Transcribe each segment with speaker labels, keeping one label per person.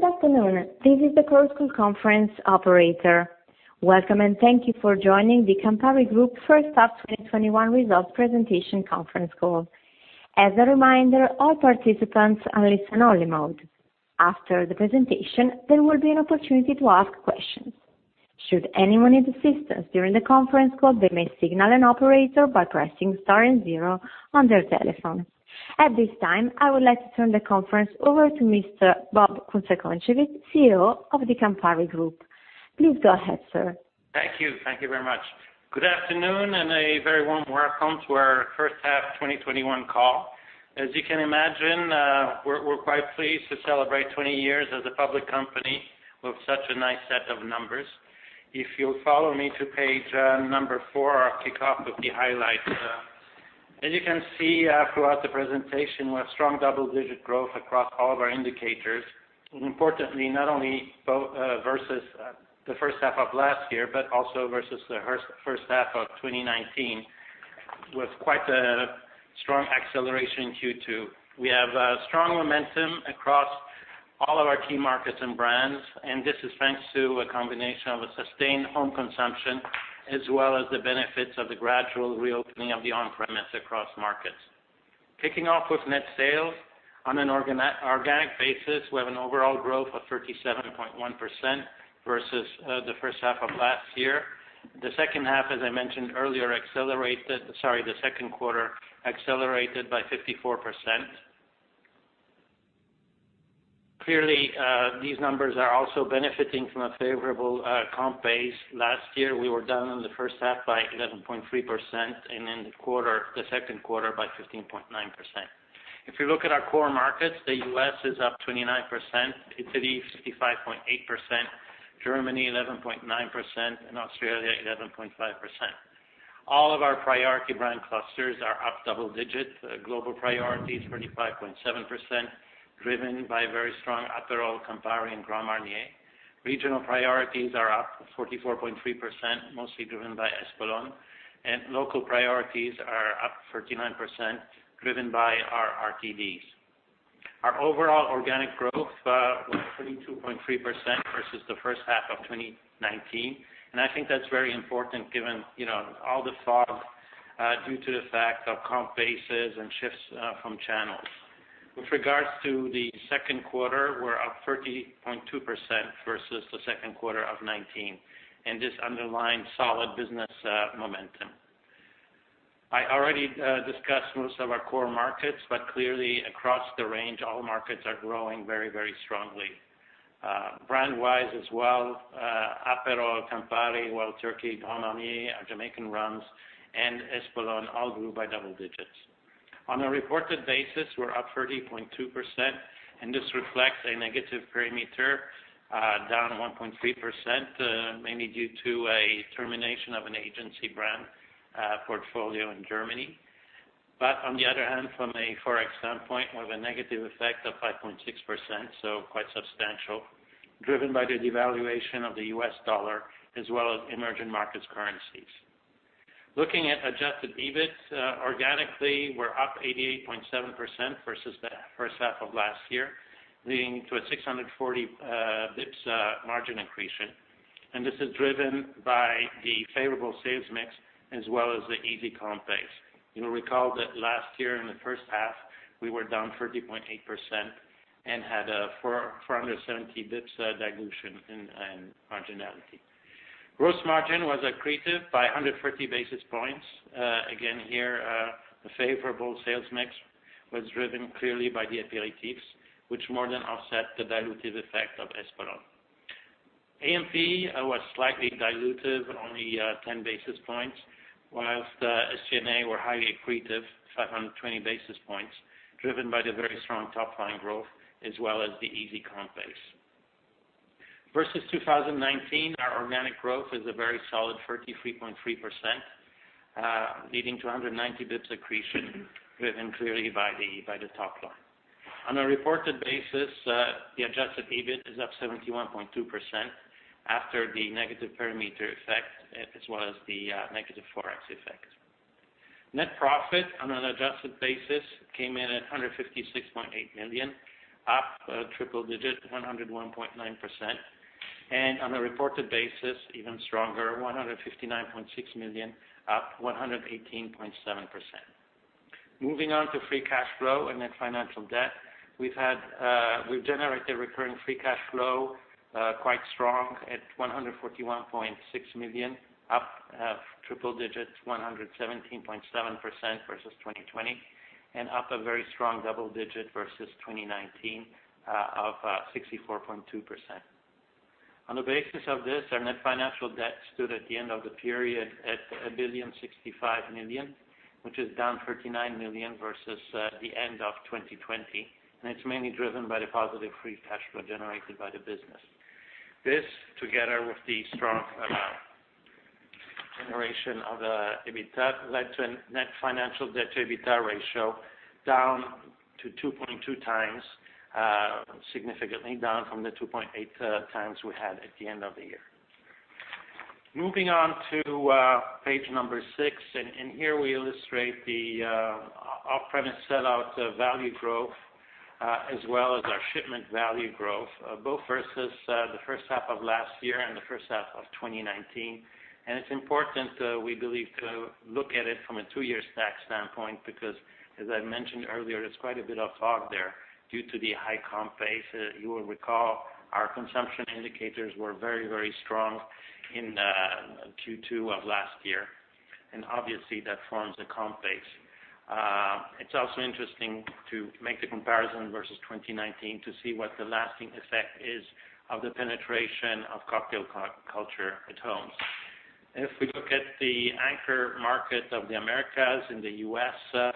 Speaker 1: Good afternoon. This is the Chorus Call conference operator. Welcome and thank you for joining the Campari Group first half 2021 results presentation conference call. As a reminder, all participants are listen only mode. After the presentation, there will be an opportunity to ask questions. Should anyone need assistance during the conference call, they may signal an operator by pressing star and zero on their telephone. At this time, I would like to turn the conference over to Mr. Bob Kunze-Concewitz, CEO of the Campari Group. Please go ahead, sir.
Speaker 2: Thank you. Thank you very much. Good afternoon and a very warm welcome to our first half 2021 call. As you can imagine, we're quite pleased to celebrate 20 years as a public company with such a nice set of numbers. If you'll follow me to page number first, I'll kick off with the highlights. As you can see, throughout the presentation, we have strong double-digit growth across all of our indicators. Importantly, not only versus the first half of last year, but also versus the first half of 2019, with quite a strong acceleration in Q2. We have strong momentum across all of our key markets and brands, and this is thanks to a combination of a sustained home consumption as well as the benefits of the gradual reopening of the on-premise across markets. Kicking off with net sales. On an organic basis, we have an overall growth of 37.1% versus the first half of last year. The second half, as I mentioned earlier, the second quarter accelerated by 54%. Clearly, these numbers are also benefiting from a favorable comp base. Last year, we were down on the first half by 11.3%, and in the quarter, the second quarter by 15.9%. If you look at our core markets, the U.S. is up 29%, Italy 65.8%, Germany 11.9% and Australia 11.5%. All of our priority brand clusters are up double digits. Global priorities, 35.7%, driven by very strong Aperol, Campari and Grand Marnier. Regional priorities are up 44.3%, mostly driven by Espolòn. Local priorities are up 39%, driven by our RTDs. Our overall organic growth was 22.3% versus the first half of 2019. I think that's very important given, you know, all the fog due to the fact of comp bases and shifts from channels. With regards to the second quarter, we're up 30.2% versus the second quarter of 2019. This underlines solid business momentum. I already discussed most of our core markets. Clearly across the range, all markets are growing very, very strongly. Brand-wise as well, Aperol, Campari, Wild Turkey, Grand Marnier, our Jamaican rums and Espolòn all grew by double digits. On a reported basis, we're up 30.2%. This reflects a negative parameter, down 1.3%, mainly due to a termination of an agency brand portfolio in Germany. On the other hand, from a Forex standpoint, we have a negative effect of 5.6%, so quite substantial, driven by the devaluation of the U.S. dollar as well as emerging markets currencies. Looking at adjusted EBIT, organically, we're up 88.7% versus the first half of last year, leading to a 640 BPS margin accretion. This is driven by the favorable sales mix as well as the easy comp base. You'll recall that last year in the first half, we were down 30.8% and had a 470 BPS dilution in marginality. Gross margin was accretive by 130 basis points. Again here, the favorable sales mix was driven clearly by the aperitifs, which more than offset the dilutive effect of Espolòn. A&P was slightly dilutive, only 10 basis points, whilst SG&A were highly accretive, 520 basis points, driven by the very strong top line growth as well as the easy comp base. Versus 2019, our organic growth is a very solid 33.3%, leading to 190 basis points accretion, driven clearly by the top line. On a reported basis, the adjusted EBIT is up 71.2% after the negative perimeter effect as well as the negative Forex effect. Net profit on an adjusted basis came in at 156.8 million, up triple digits, 101.9%. On a reported basis, even stronger, 159.6 million, up 118.7%. Moving on to free cash flow and net financial debt. We've generated recurring free cash flow, quite strong at 141.6 million, up triple digits, 117.7% versus 2020, and up a very strong double digit versus 2019, of 64.2%. On the basis of this, our net financial debt stood at the end of the period at 1.065 billion, which is down 39 million versus the end of 2020, and it's mainly driven by the positive free cash flow generated by the business. This, together with the strong [alignment-Generation] of the EBITDA led to a net financial debt to EBITDA ratio down to 2.2x, significantly down from the 2.8x we had at the end of the year. Moving on to page number six. Here we illustrate the off-premise sell-out value growth, as well as our shipment value growth, both versus the first half of last year and the first half of 2019. It's important, we believe to look at it from a two-year stack standpoint, because as I mentioned earlier, there's quite a bit of fog there due to the high comp base. You will recall our consumption indicators were very, very strong in Q2 of last year. Obviously, that forms a comp base. It's also interesting to make the comparison versus 2019 to see what the lasting effect is of the penetration of cocktail culture at home. We look at the anchor market of the Americas in the U.S.,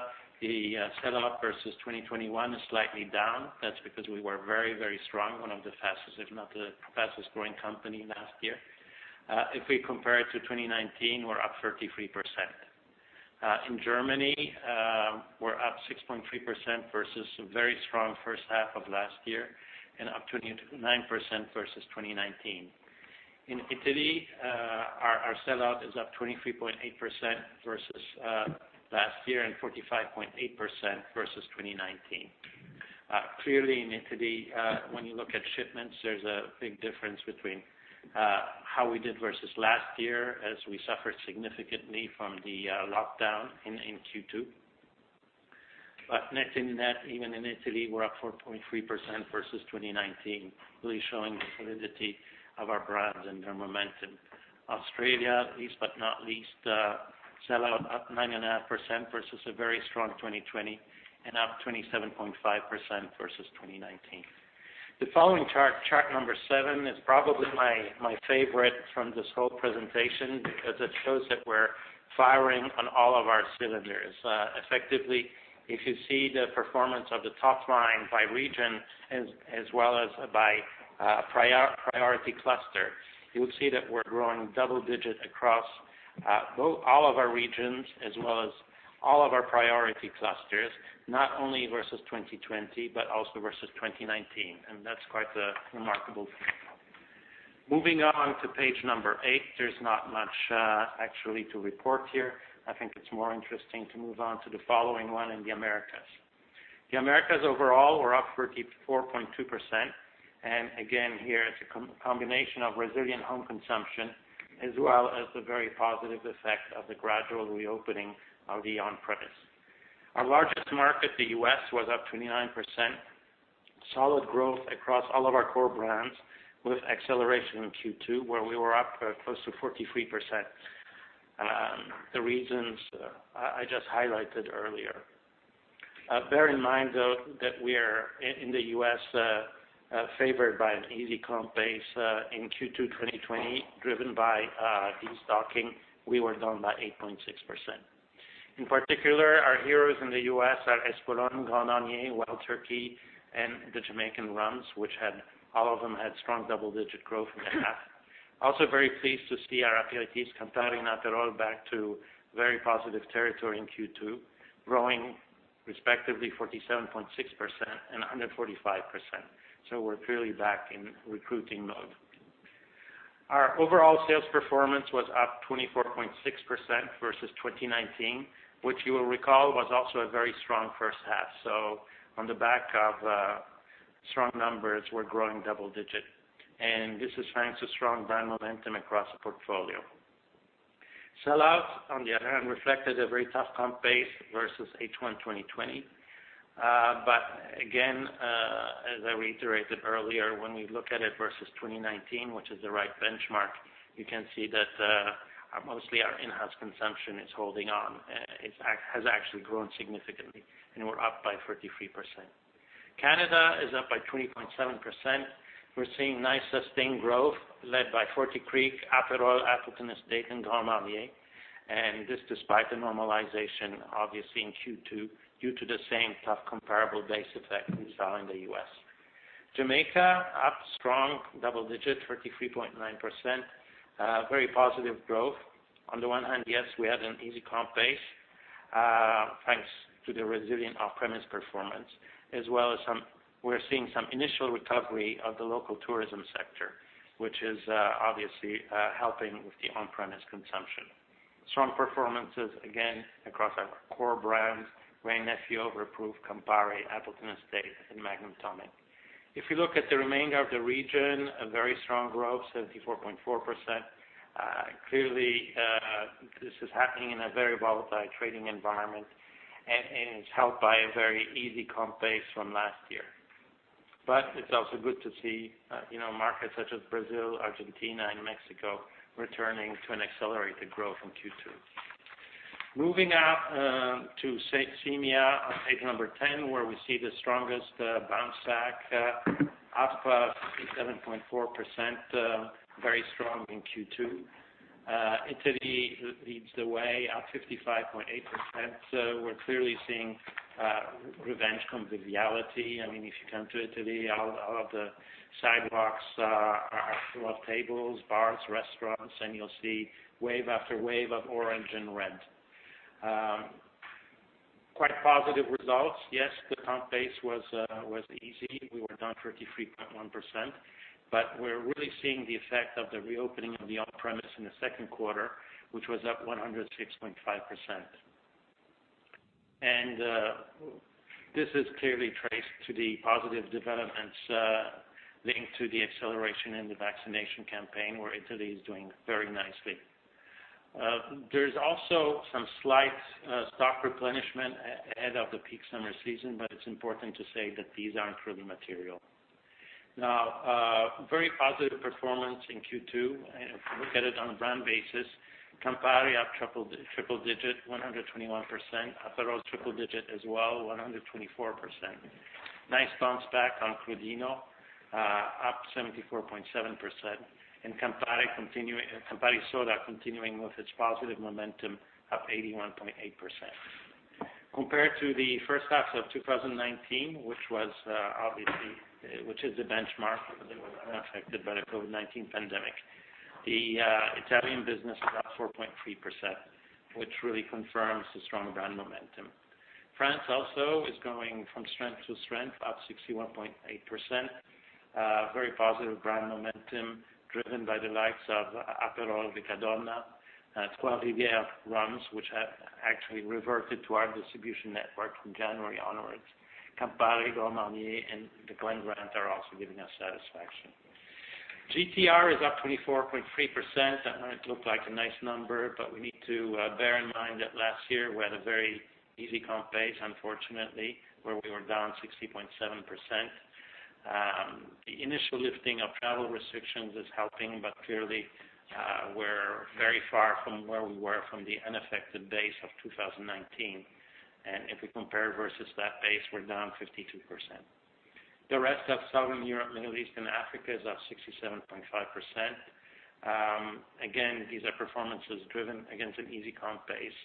Speaker 2: the sellout versus 2021 is slightly down. That's because we were very, very strong, one of the fastest, if not the fastest growing company last year. We compare it to 2019, we're up 33%. In Germany, we're up 6.3% versus a very strong first half of last year, and up 29% versus 2019. In Italy, our sellout is up 23.8% versus last year and 45.8% versus 2019. Clearly in Italy, when you look at shipments, there's a big difference between how we did versus last year as we suffered significantly from the lockdown in Q2. Net in net, even in Italy, we're up 4.3% versus 2019, really showing the solidity of our brands and their momentum. Australia, least but not least, sellout up 9.5% versus a very strong 2020, and up 27.5% versus 2019. The following chart number seven, is probably my favorite from this whole presentation because it shows that we're firing on all of our cylinders. Effectively, if you see the performance of the top line by region as well as by priority cluster, you'll see that we're growing double digit across both all of our regions as well as all of our priority clusters, not only versus 2020, but also versus 2019. That's quite a remarkable feat. Moving on to page number eight. There's not much actually to report here. I think it's more interesting to move on to the following one in the Americas. The Americas overall were up 34.2%. Again, here it's a combination of resilient home consumption as well as the very positive effect of the gradual reopening of the on-premise. Our largest market, the U.S., was up 29%. Solid growth across all of our core brands with acceleration in Q2, where we were up close to 43%. The reasons I just highlighted earlier. Bear in mind, though, that we are in the U.S. favored by an easy comp base in Q2 2020, driven by destocking. We were down by 8.6%. In particular, our heroes in the U.S. are Espolòn, Grand Marnier, Wild Turkey, and the Jamaican rums, All of them had strong double-digit growth in the half. Also very pleased to see our aperitifs Campari and Aperol back to very positive territory in Q2, growing respectively 47.6% and 145%. We're clearly back in recruiting mode. Our overall sales performance was up 24.6% versus 2019, which you will recall was also a very strong first half. On the back of strong numbers, we're growing double digit. This is thanks to strong brand momentum across the portfolio. Sellouts, on the other hand, reflected a very tough comp base versus H1 2020. Again, as I reiterated earlier, when we look at it versus 2019, which is the right benchmark, you can see that mostly our in-house consumption is holding on. It's actually grown significantly, we're up by 33%. Canada is up by 20.7%. We're seeing nice sustained growth led by Forty Creek, Aperol, Appleton Estate, and Grand Marnier. This despite the normalization, obviously in Q2, due to the same tough comparable base effect we saw in the U.S. Jamaica, up strong double digit, 33.9%. Very positive growth. On the one hand, yes, we had an easy comp base, thanks to the resilient off-premise performance, as well as some initial recovery of the local tourism sector, which is, obviously, helping with the on-premise consumption. Strong performances, again, across our core brands, Wray & Nephew White Overproof, Campari, Appleton Estate, and Magnum Tonic Wine. If you look at the remainder of the region, a very strong growth, 74.4%. It's helped by a very easy comp base from last year. It's also good to see, you know, markets such as Brazil, Argentina, and Mexico returning to an accelerated growth from Q2. Moving now to SEMEA on page 10, where we see the strongest bounce back, up 67.4%, very strong in Q2. Italy leads the way at 55.8%. We're clearly seeing revenge conviviality. I mean, if you come to Italy, all of the sidewalks are full of tables, bars, restaurants, and you'll see wave after wave of orange and red. Quite positive results. Yes, the comp base was easy. We were down 33.1%. We're really seeing the effect of the reopening of the off-premise in the second quarter, which was up 106.5%. This is clearly traced to the positive developments linked to the acceleration in the vaccination campaign, where Italy is doing very nicely. There's also some slight stock replenishment ahead of the peak summer season, but it's important to say that these aren't really material. Very positive performance in Q2. If we look at it on a brand basis, Campari up triple digit, 121%. Aperol triple digit as well, 124%. Nice bounce back on Crodino, up 74.7%. Campari Soda continuing with its positive momentum, up 81.8%. Compared to the first half of 2019, which was obviously, which is the benchmark that was unaffected by the COVID-19 pandemic, the Italian business is up 4.3%, which really confirms the strong brand momentum. France also is going from strength to strength, up 61.8%. Very positive brand momentum driven by the likes of Aperol, Riccadonna, Trois Rivières rums, which have actually reverted to our distribution network from January onwards. Campari, Grand Marnier, and the Glen Grant are also giving us satisfaction. GTR is up 24.3%. I know it looked like a nice number, but we need to bear in mind that last year we had a very easy comp base, unfortunately, where we were down 60.7%. The initial lifting of travel restrictions is helping, but clearly, we're very far from where we were from the unaffected base of 2019. If we compare versus that base, we're down 52%. The rest of Southern Europe, Middle East and Africa is up 67.5%. Again, these are performances driven against an easy comp base,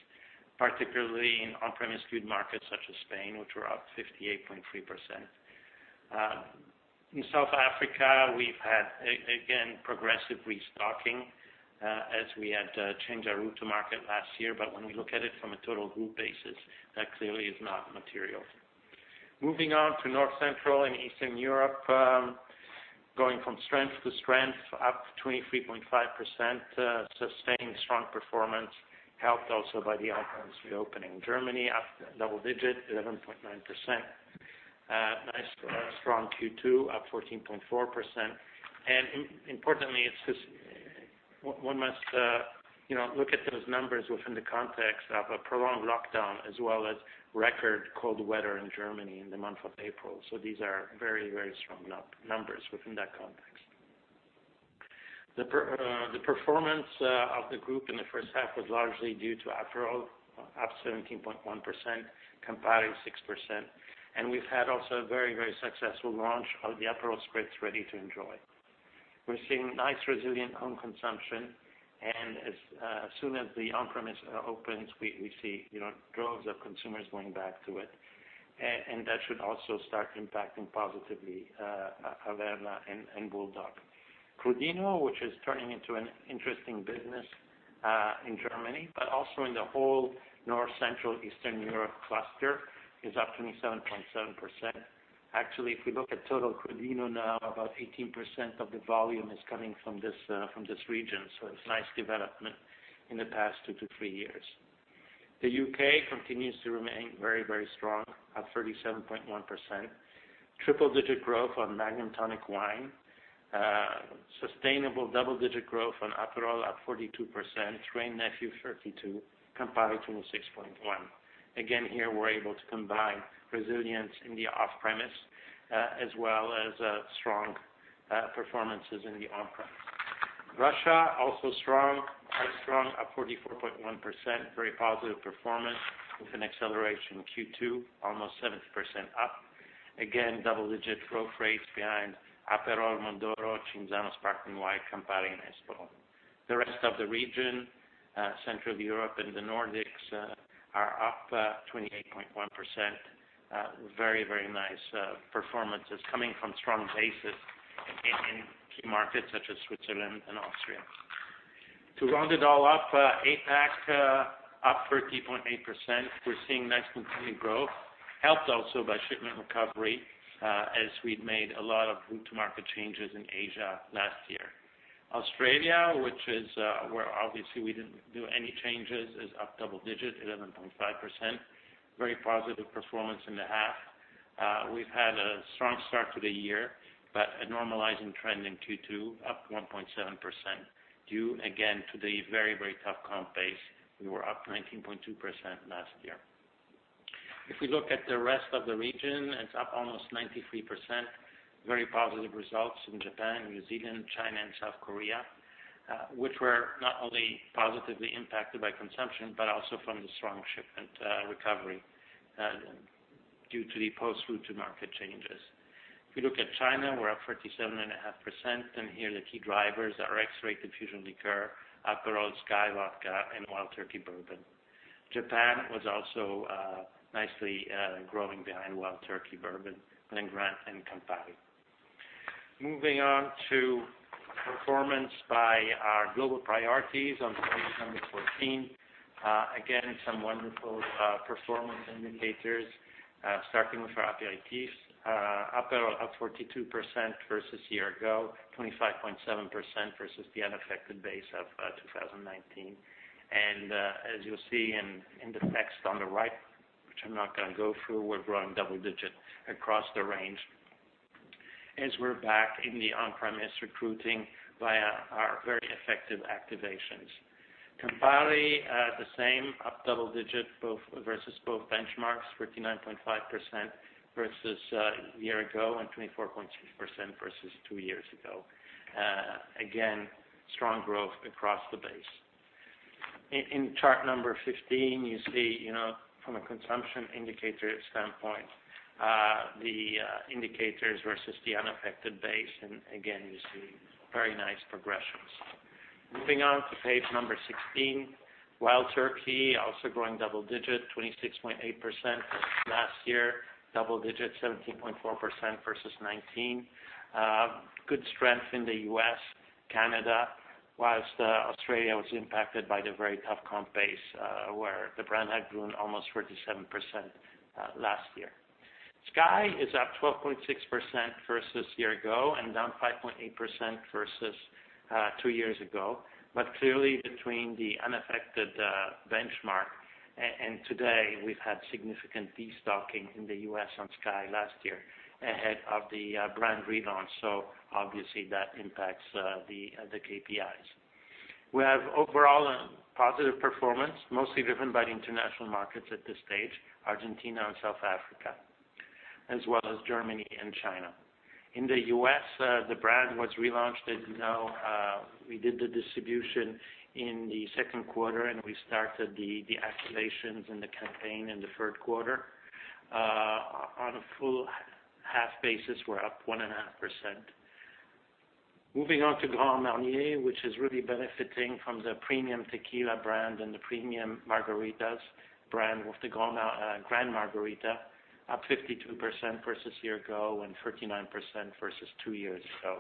Speaker 2: particularly in on-premise skewed markets such as Spain, which were up 58.3%. In South Africa, we've had again, progressive restocking, as we had changed our route to market last year. When we look at it from a total group basis, that clearly is not material. Moving on to North Central and Eastern Europe, going from strength to strength, up 23.5%. Sustaining strong performance helped also by the on-premise reopening. Germany up double-digit, 11.9%. Nice, strong Q2, up 14.4%. Importantly, one must, you know, look at those numbers within the context of a prolonged lockdown, as well as record cold weather in Germany in the month of April. These are very, very strong numbers within that context. The performance of the group in the first half was largely due to Aperol, up 17.1%, Campari 6%. We've had also a very, very successful launch of the Aperol Spritz Ready to Enjoy. We're seeing nice resilient home consumption. As soon as the on-premise opens, we see, you know, droves of consumers going back to it. That should also start impacting positively Averna and BULLDOG. Crodino, which is turning into an interesting business, in Germany, but also in the whole North Central Eastern Europe cluster, is up 27.7%. Actually, if we look at total Crodino now, about 18% of the volume is coming from this, from this region. It's nice development in the past two to three years. The U.K. continues to remain very, very strong, up 37.1%. Triple digit growth on Magnum Tonic Wine. Sustainable double digit growth on Aperol at 42%. Wray & Nephew 32%, Campari 26.1%. Again, here we're able to combine resilience in the off-premise, as well as strong performances in the on-premise. Russia also strong, quite strong, up 44.1%. Very positive performance with an acceleration in Q2, almost 7% up. Double-digit growth rates behind Aperol, Mondoro, Cinzano Sparkling Wine, Campari, and Espolón. The rest of the region, Central Europe and the Nordics, are up 28.1%. Very, very nice performances coming from strong bases in key markets such as Switzerland and Austria. To round it all up, APAC, up 30.8%. We're seeing nice continuing growth, helped also by shipment recovery, as we'd made a lot of route to market changes in Asia last year. Australia, which is where obviously we didn't do any changes, is up double-digit, 11.5%. Very positive performance in the half. We've had a strong start to the year, but a normalizing trend in Q2, up 1.7%, due again to the very, very tough comp base. We were up 19.2% last year. If we look at the rest of the region, it's up almost 93%. Very positive results in Japan, New Zealand, China, and South Korea, which were not only positively impacted by consumption, but also from the strong shipment recovery due to the post route to market changes. If you look at China, we're up 47.5%, and here the key drivers are X-Rated Fusion Liqueur, Aperol, SKYY Vodka, and Wild Turkey Bourbon. Japan was also nicely growing behind Wild Turkey Bourbon, Glen Grant, and Campari. Moving on to performance by our global priorities on page 14. Again, some wonderful performance indicators, starting with our aperitifs. Aperol up 42% versus year ago, 25.7% versus the unaffected base of 2019. As you'll see in the text on the right, which I'm not gonna go through, we're growing double-digit across the range as we're back in the on-premise recruiting via our very effective activations. Campari, the same, up double-digit versus both benchmarks, 49.5% versus year ago, and 24.6% versus two years ago. Again, strong growth across the base. In chart number 15, you see, you know, from a consumption indicator standpoint, the indicators versus the unaffected base, you see very nice progressions. Moving on to page number 16. Wild Turkey also growing double-digit, 26.8% last year, double-digit 17.4% versus 2019. Good strength in the U.S., Canada, whilst Australia was impacted by the very tough comp base, where the brand had grown almost 37% last year. SKYY is up 12.6% versus year ago and down 5.8% versus two years ago. Clearly, between the unaffected benchmark and today, we've had significant destocking in the U.S. on SKYY last year ahead of the brand relaunch. Obviously, that impacts the KPIs. We have overall a positive performance, mostly driven by the international markets at this stage, Argentina and South Africa, as well as Germany and China. In the U.S., the brand was relaunched, as you know. We did the distribution in the second quarter, and we started the activations and the campaign in the third quarter. On a full half basis, we're up 1.5%. Moving on to Grand Marnier, which is really benefiting from the premium tequila brand and the premium margaritas brand with the Grand Margarita, up 52% versus year ago and 39% versus two years ago.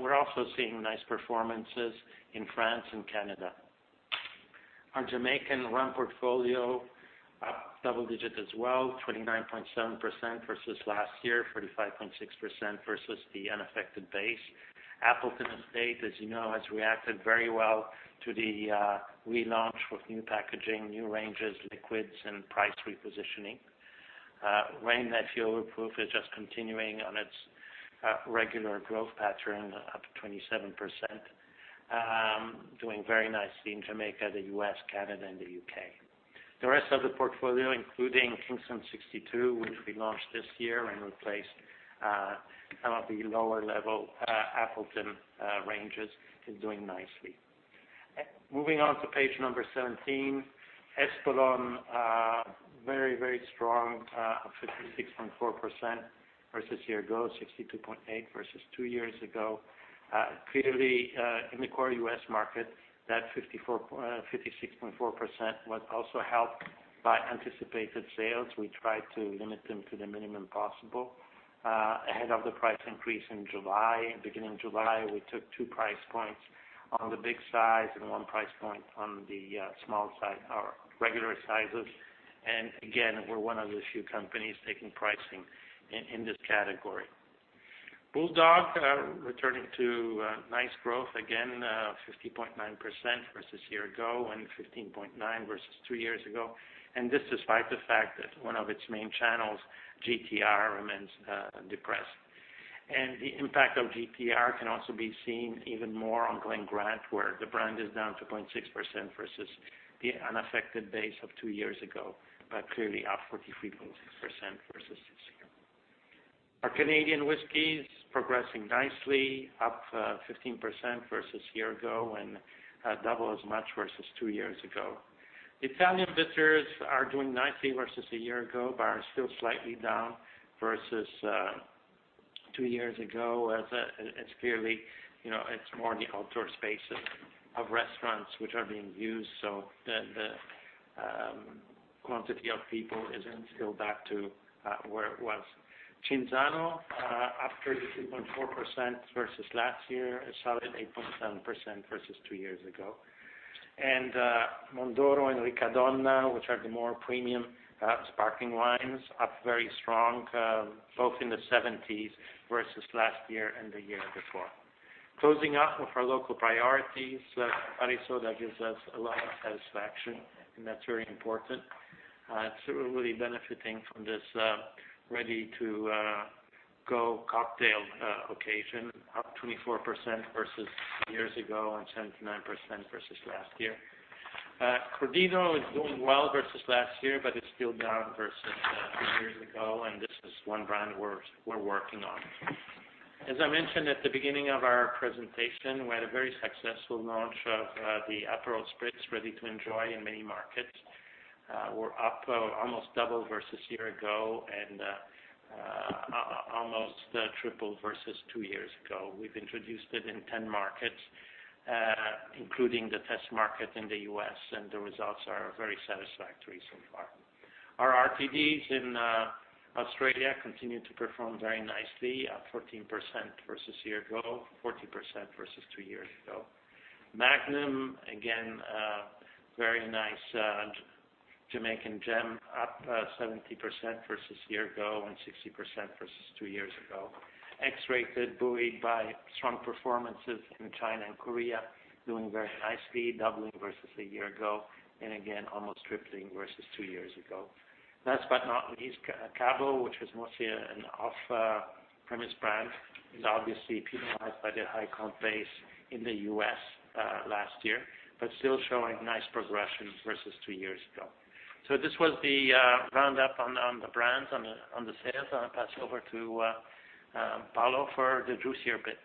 Speaker 2: We're also seeing nice performances in France and Canada. Our Jamaican rum portfolio up double digits as well, 29.7% versus last year, 45.6% versus the unaffected base. Appleton Estate, as you know, has reacted very well to the relaunch with new packaging, new ranges, liquids, and price repositioning. Wray & Nephew Overproof is just continuing on its regular growth pattern, up 27%. Doing very nicely in Jamaica, the U.S., Canada, and the U.K. The rest of the portfolio, including Kingston 62, which we launched this year and replaced some of the lower level Appleton ranges, is doing nicely. Moving on to page number 17. Espolòn, very strong, up 56.4% versus year ago, 62.8% versus two years ago. Clearly, in the core U.S. market, that 56.4% was also helped by anticipated sales. We tried to limit them to the minimum possible ahead of the price increase in July. In beginning July, we took two price points on the big size and one price point on the small size or regular sizes. Again, we're one of the few companies taking pricing in this category. BULLDOG, returning to nice growth again, 50.9% versus year ago and 15.9% versus two years ago. This despite the fact that one of its main channels, GTR, remains depressed. The impact of GTR can also be seen even more on Glen Grant, where the brand is down 2.6% versus the unaffected base of two years ago, but clearly up 43.6% versus this year. Our Canadian whiskeys progressing nicely, up 15% versus year ago and double as much versus two years ago. Italian bitters are doing nicely versus a year ago, but are still slightly down versus two years ago, as it's clearly, you know, it's more the outdoor spaces of restaurants which are being used. The quantity of people isn't still back to where it was. Cinzano, up 32.4% versus last year, a solid 8.7% versus two years ago. Mondoro and Riccadonna, which are the more premium sparkling wines, up very strong, both in the 70s versus last year and the year before. Closing up with our local priorities, [arisoda] gives us a lot of satisfaction, and that's very important. It's really benefiting from this ready to go cocktail occasion, up 24% versus two years ago and 79% versus last year. Crodino is doing well versus last year, but it's still down versus two years ago, and this is one brand we're working on. As I mentioned at the beginning of our presentation, we had a very successful launch of the Aperol Spritz Ready to Enjoy in many markets. We're up almost double versus year ago and almost triple versus two years ago. We've introduced it in 10 markets, including the test market in the U.S., and the results are very satisfactory so far. Our RTDs in Australia continue to perform very nicely, up 14% versus year ago, 40% versus two years ago. Magnum, again, very nice, Jamaican Gem up 70% versus year ago and 60% versus two years ago. X-Rated buoyed by strong performances in China and Korea, doing very nicely, doubling versus a year ago, and again, almost tripling versus two years ago. Last but not least, Cabo, which is mostly an off-premise brand, is obviously penalized by the high comp base in the U.S. last year, but still showing nice progression versus two years ago. This was the roundup on the brands on the sales. I'll pass over to Paolo for the juicier bit.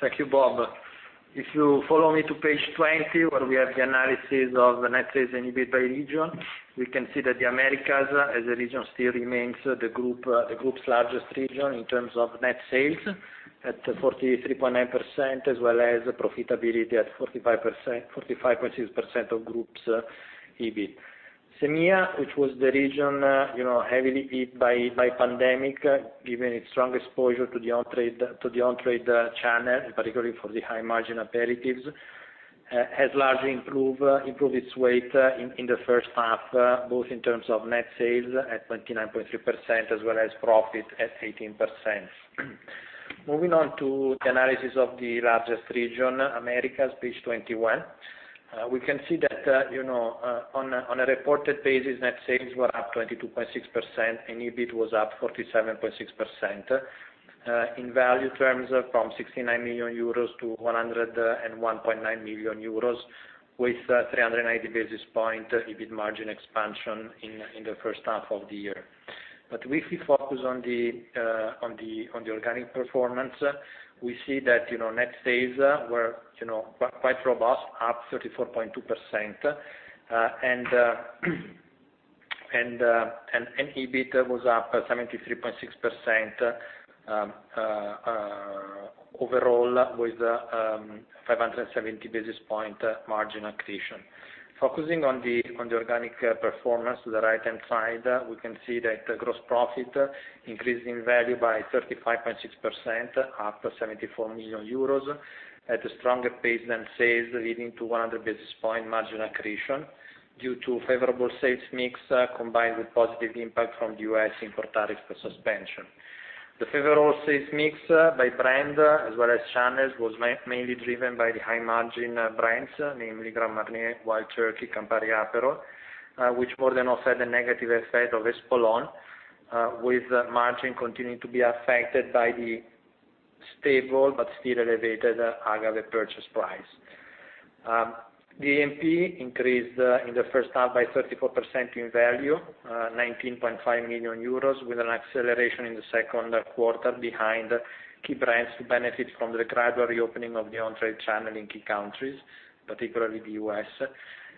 Speaker 3: Thank you, Bob. If you follow me to page 20, where we have the analysis of the net sales and EBIT by region, we can see that the Americas as a region still remains the group's largest region in terms of net sales at 43.9% as well as profitability at 45.6% of group's EBIT. SEMEA, which was the region, you know, heavily hit by pandemic, given its strong exposure to the on-trade channel, particularly for the high margin aperitifs, has largely improved its weight in the first half, both in terms of net sales at 29.2% as well as profit at 18%. Moving on to the analysis of the largest region, Americas, page 21. We can see that on a reported basis, net sales were up 22.6%, and EBIT was up 47.6% in value terms from 69 to 101.9 million euros with 390 basis points EBIT margin expansion in the first half of the year. If we focus on the organic performance, we see that net sales were quite robust, up 34.2%. And EBIT was up 73.6% overall with 570 basis points margin accretion. Focusing on the organic performance to the right-hand side, we can see that gross profit increased in value by 35.6%, up to 74 million euros at a stronger pace than sales, leading to 100 basis point margin accretion due to favorable sales mix combined with positive impact from the U.S. import tariff suspension. The favorable sales mix by brand as well as channels was mainly driven by the high margin brands, namely Grand Marnier, Wild Turkey, Campari Aperol, which more than offset the negative effect of Espolòn, with margin continuing to be affected by the stable but still elevated agave purchase price. The A&P increased in the first half by 34% in value, 19.5 million euros with an acceleration in the second quarter behind key brands to benefit from the gradual reopening of the on-trade channel in key countries, particularly the U.S.,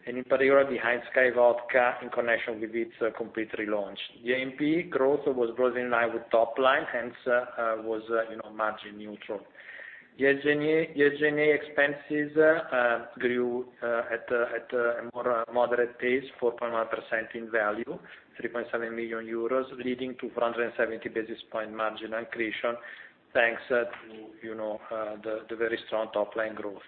Speaker 3: and in particular behind SKYY Vodka in connection with its complete relaunch. The A&P growth was broadly in line with top line, hence, was, you know, margin neutral. The SG&A expenses grew at a more moderate pace, 4.1% in value, 3.7 million euros leading to 470 basis point margin accretion, thanks to, you know, the very strong top-line growth.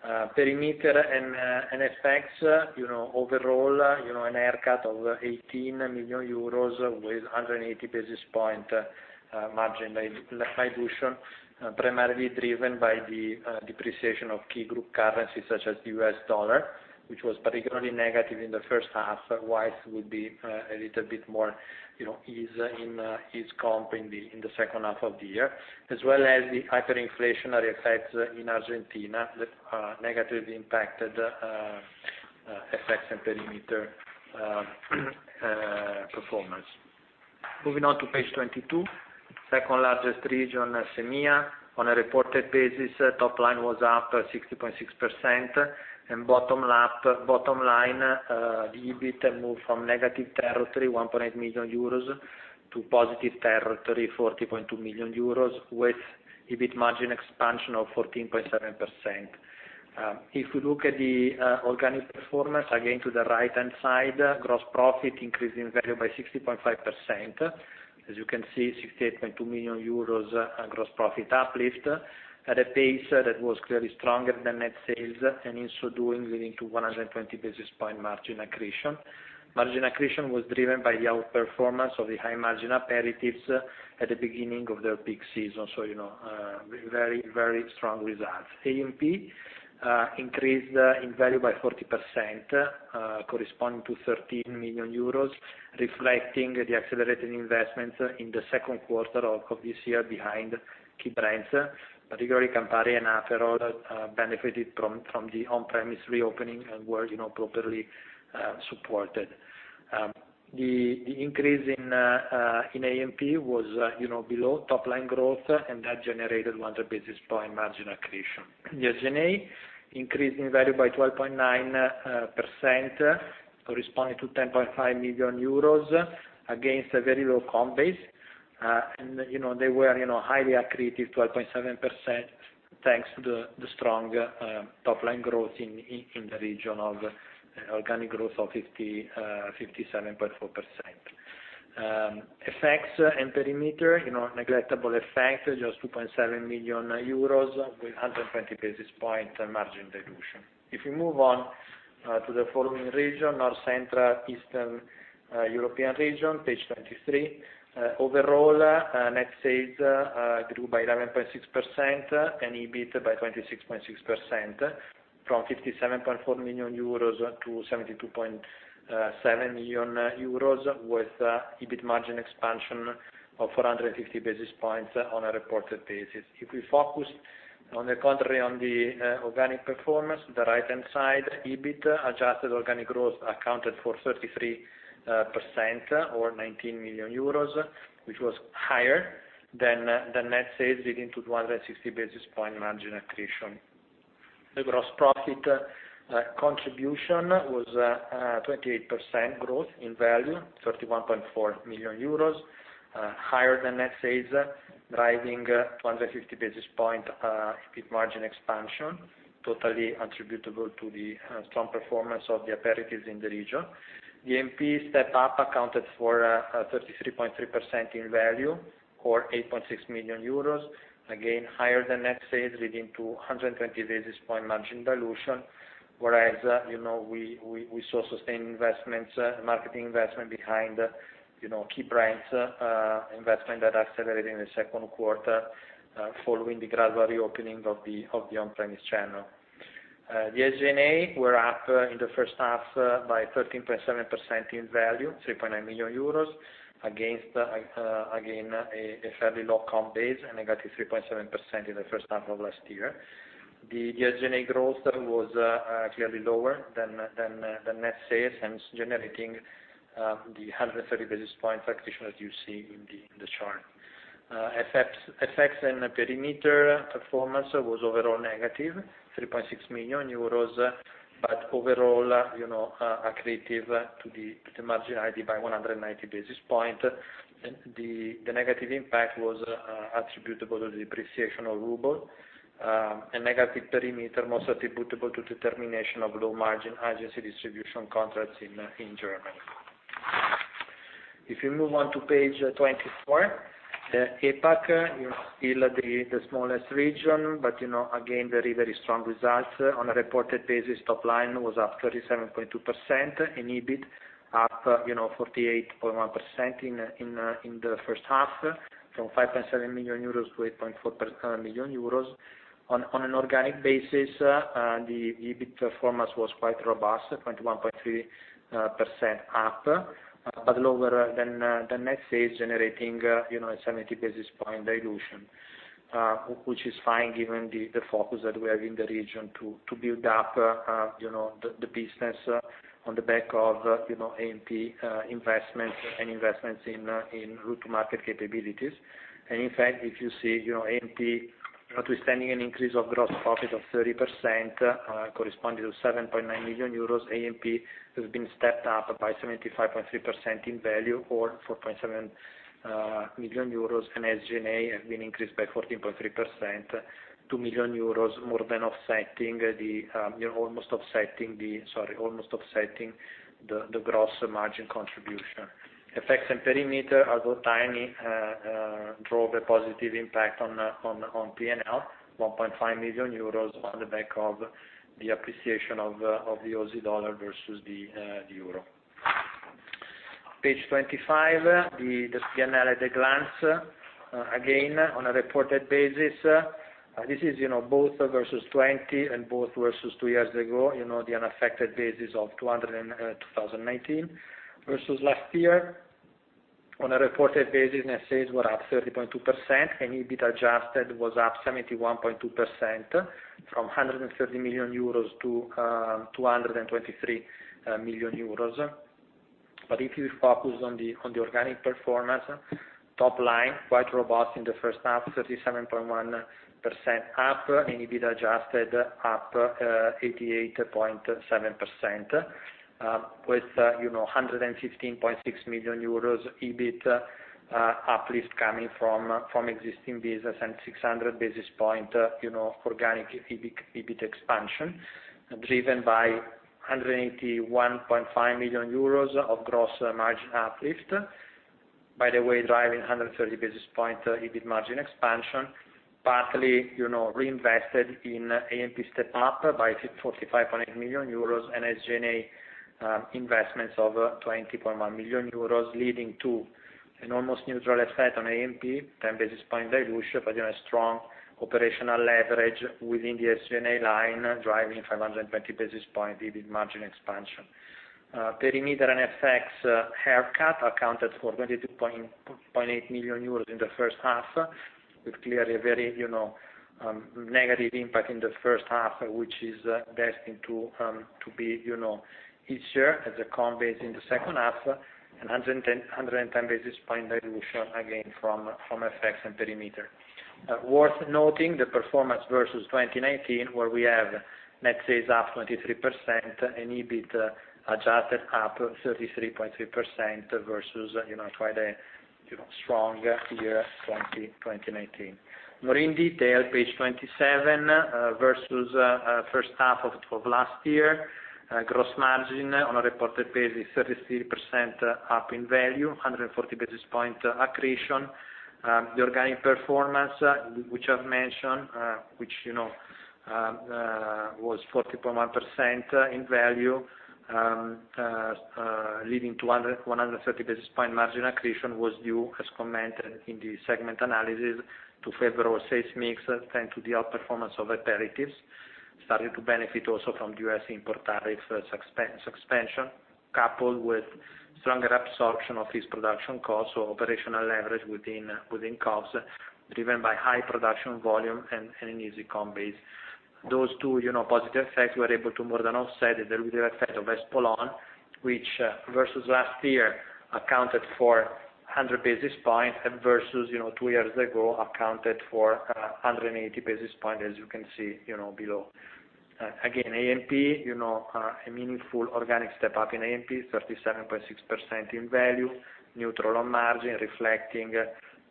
Speaker 3: Perimeter and FX, overall, an haircut of 18 million euros with a 180 basis point margin liberation, primarily driven by the depreciation of key group currencies such as the U.S. dollar, which was particularly negative in the first half. Otherwise, would be a little bit more ease in ease comp in the second half of the year, as well as the hyperinflationary effects in Argentina that negatively impacted FX and perimeter performance. Moving on to page 22, second-largest region, SEMEA. On a reported basis, top line was up 60.6% and bottom line, the EBIT moved from negative territory, 1.8 million euros to positive territory, 40.2 million euros with EBIT margin expansion of 14.7%. If you look at the organic performance, again, to the right-hand side, gross profit increased in value by 60.5%. As you can see, 68.2 million euros gross profit uplift at a pace that was clearly stronger than net sales and in so doing leading to 120 basis point margin accretion. Margin accretion was driven by the outperformance of the high margin aperitifs at the beginning of their peak season. You know, very, very strong results. A&P increased in value by 40%, corresponding to 13 million euros, reflecting the accelerated investments in the second quarter of this year behind key brands. Particularly Campari and Aperol benefited from the on-premise reopening and were, you know, properly supported. The increase in A&P was, you know, below top line growth, and that generated 100 basis point margin accretion. The SG&A increased in value by 12.9% corresponding to 10.5 million euros against a very low comp base. You know, they were, you know, highly accretive, 12.7%, thanks to the strong top line growth in the region of organic growth of 50, 57.4%. FX and perimeter, you know, neglectable effect, just 2.7 million euros with 120 basis point margin dilution. If you move on to the following region, North Central Eastern European region, page 23. Overall, net sales grew by 11.6% and EBIT by 26.6%, from 57.4 to 72.7 million euros, with EBIT margin expansion of 450 basis points on a reported basis. If we focus on the contrary on the organic performance, the right-hand side, EBIT adjusted organic growth accounted for 33% or 19 million euros, which was higher than the net sales leading to 260 basis point margin accretion. The gross profit contribution was 28% growth in value, 31.4 million euros, higher than net sales, driving 250 basis point EBIT margin expansion, totally attributable to the strong performance of the aperitifs in the region. The A&P step up accounted for 33.3% in value or 8.6 million euros, again, higher than net sales, leading to a 120 basis point margin dilution. You know, we saw sustained investments, marketing investment behind, you know, key brands, investment that accelerated in the second quarter, following the gradual reopening of the on-premise channel. The SG&A were up in the first half by 13.7% in value, 3.9 million euros against again a fairly low comp base, a -3.7% in the first half of last year. The SG&A growth was clearly lower than net sales, hence generating the 130 basis point accretion, as you see in the chart. FX and perimeter performance was overall negative, 3.6 million euros, but overall, you know, accretive to the margin, aided by 190 basis points. The negative impact was attributable to the depreciation of ruble, a negative perimeter, most attributable to the termination of low margin agency distribution contracts in Germany. If you move on to page 24, the APAC, you know, still the smallest region, but, you know, again, very strong results. On a reported basis, top line was up 37.2%, and EBIT up, you know, 48.1% in the first half from 5.7 euros to 8.4 million euros. On an organic basis, the EBIT performance was quite robust, 21.3% up, but lower than the net sales generating, you know, a 70 basis point dilution, which is fine given the focus that we have in the region to build up, you know, the business, on the back of, you know, A&P investments and investments in route to market capabilities. In fact, if you see, you know, A&P notwithstanding an increase of gross profit of 30%, corresponding to 7.9 million euros, A&P has been stepped up by 75.3% in value or 4.7 million euros, and SG&A have been increased by 14.3%, EUR 2 million almost offsetting the gross margin contribution. FX and perimeter, although tiny, drove a positive impact on P&L, 1.5 million euros on the back of the appreciation of the Aussie dollar versus the euro. Page 25, the P&L at a glance. Again, on a reported basis, this is, you know, both versus 2020 and both versus two years ago, you know, the unaffected basis of 2019 versus last year. On a reported basis, net sales were up 30.2%. EBIT adjusted was up 71.2% from 130 euros to 223 million euros. If you focus on the organic performance, top line, quite robust in the first half, 37.1% up. EBIT adjusted up 88.7%, with, you know, 115.6 million euros EBIT uplift coming from existing business and 600 basis point, you know, organic EBIT expansion, driven by 181.5 million euros of gross margin uplift. By the way, driving a 130 basis points EBIT margin expansion, partly, you know, reinvested in A&P step up by 45.8 million euros and SG&A investments of 20.1 million euros, leading to an almost neutral effect on A&P, 10 basis points dilution, but, you know, a strong operational leverage within the SG&A line, driving 520 basis points EBIT margin expansion. Perimeter and FX haircut accounted for 22.8 million euros in the first half, with clearly a very, you know, negative impact in the first half, which is destined to be, you know, easier as a comp base in the second half, and 110 basis points dilution, again, from FX and perimeter. Worth noting the performance versus 2019, where we have net sales up 23% and EBIT adjusted up 33.3% versus, you know, quite a, you know, strong year 2019. More in detail, page 27, versus first half of last year, gross margin on a reported basis, 33% up in value, 140 basis point accretion. The organic performance, which I've mentioned, which, you know, was 40.1% in value, leading to 130 basis points margin accretion was due, as commented in the segment analysis, to favorable sales mix thanks to the outperformance of aperitifs, starting to benefit also from U.S. import tariff suspension, coupled with stronger absorption of fixed production costs or operational leverage within costs, driven by high production volume and an easy comp base. Those two, you know, positive effects were able to more than offset the dilutive effect of Espolòn, which versus last year accounted for 100 basis points versus, you know, two years ago accounted for 180 basis points, as you can see, you know, below. Again, A&P, a meaningful organic step up in A&P, 37.6% in value, neutral on margin, reflecting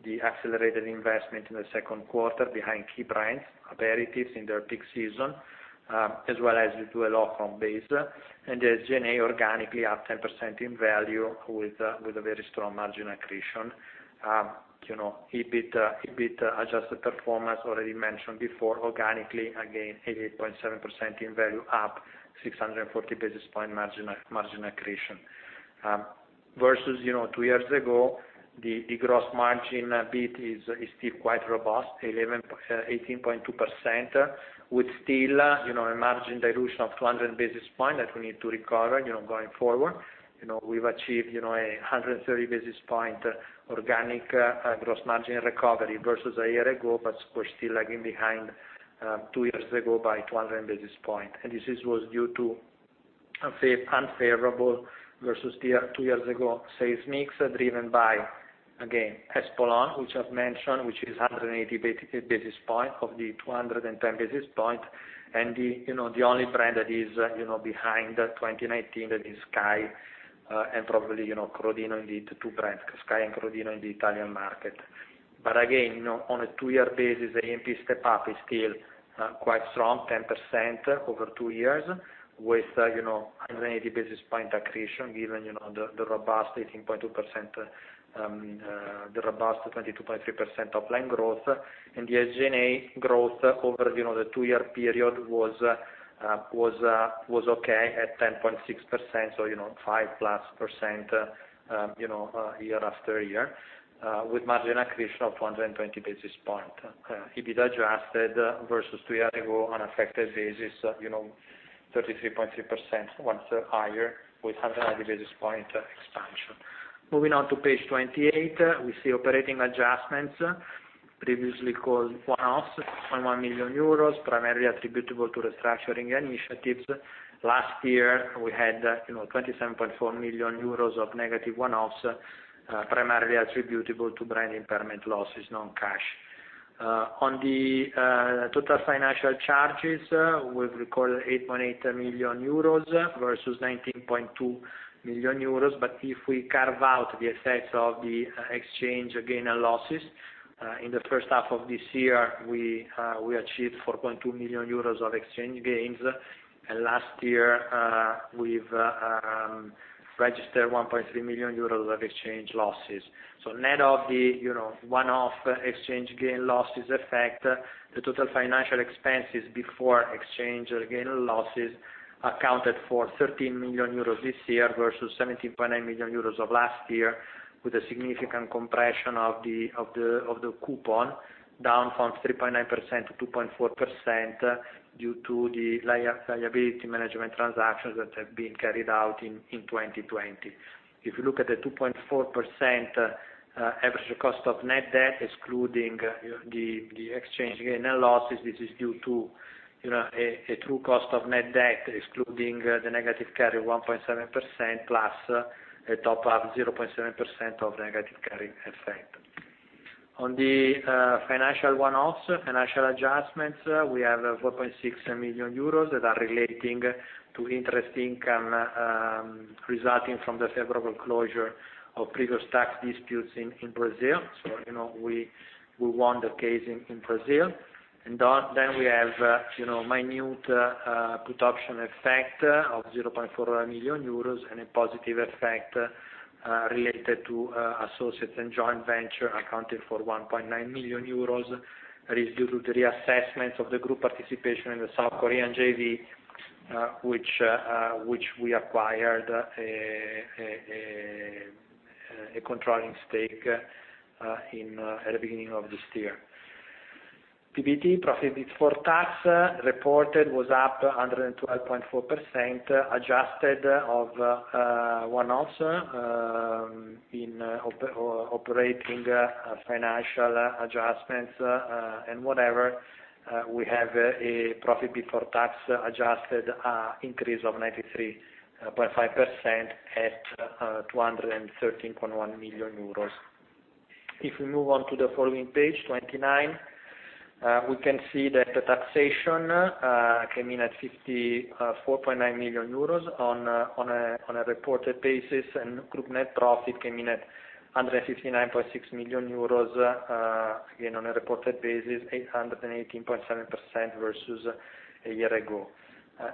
Speaker 3: the accelerated investment in the second quarter behind key brands, aperitifs in their peak season, as well as due to a low comp base. The G&A organically up 10% in value with a very strong margin accretion. EBIT adjusted performance already mentioned before, organically again, 88.7% in value up 640 basis points margin accretion. Versus two years ago, the gross margin a bit is still quite robust, 18.2%, with still a margin dilution of 200 basis points that we need to recover going forward. You know, we've achieved, you know, 130 basis points organic gross margin recovery versus a year ago. We're still lagging behind 200 basis points two years ago. This was due to unfavorable versus the year, two years ago sales mix driven by, again, Espolòn, which I've mentioned, which is 180 basis points of the 210 basis points. The, you know, the only brand that is, you know, behind 2019, that is SKYY, and probably, you know, Crodino in the two brands, SKYY and Crodino in the Italian market. Again, you know, on a two-year basis, A&P step up is still quite strong, 10% over two years with, you know, 180 basis point accretion given, you know, the robust 22.3% offline growth. The SG&A growth over, you know, the two-year period was okay at 10.6%, so, you know, 5+% year-after-year with margin accretion of 220 basis point. EBIT adjusted versus two year ago on affected basis, you know, 33.3% was higher with 180 basis point expansion. Moving on to page 28, we see operating adjustments previously called one-offs, 0.1 million euros, primarily attributable to restructuring initiatives. Last year, we had, you know, 27.4 million euros of negative one-offs, primarily attributable to brand impairment losses non-cash. On the total financial charges, we've recorded 8.8 million euros versus 19.2 million euros. If we carve out the effects of the exchange gain and losses, in the first half of this year, we achieved 4.2 million euros of exchange gains. Last year, we've registered 1.3 million euros of exchange losses. Net of the, you know, one-off exchange gain losses effect, the total financial expenses before exchange gain and losses accounted for 13 million euros this year versus 17.9 million euros of last year, with a significant compression of the coupon down from 3.9% to 2.4% due to the liability management transactions that have been carried out in 2020. If you look at the 2.4% average cost of net debt, excluding, you know, the exchange gain and losses, this is due to, you know, a true cost of net debt, excluding the negative carry 1.7% plus a top-up 0.7% of negative carry effect. The financial one-offs, financial adjustments, we have 4.6 million euros that are relating to interest income, resulting from the favorable closure of previous tax disputes in Brazil. You know, we won the case in Brazil. Then we have, you know, minute, put option effect of 0.4 million euros and a positive effect related to associates and joint venture accounting for 1.9 million euros, that is due to the reassessments of the group participation in the South Korean JV, which we acquired a controlling stake in at the beginning of this year. PBT, profit before tax reported was up 112.4%, adjusted of one-offs in operating financial adjustments and whatever, we have a profit before tax adjusted increase of 93.5% at 213.1 million euros. If we move on to the following page, 29. We can see that the taxation came in at 54.9 million euros on a reported basis, and group net profit came in at 159.6 million euros, again, on a reported basis, 818.7% versus a year ago.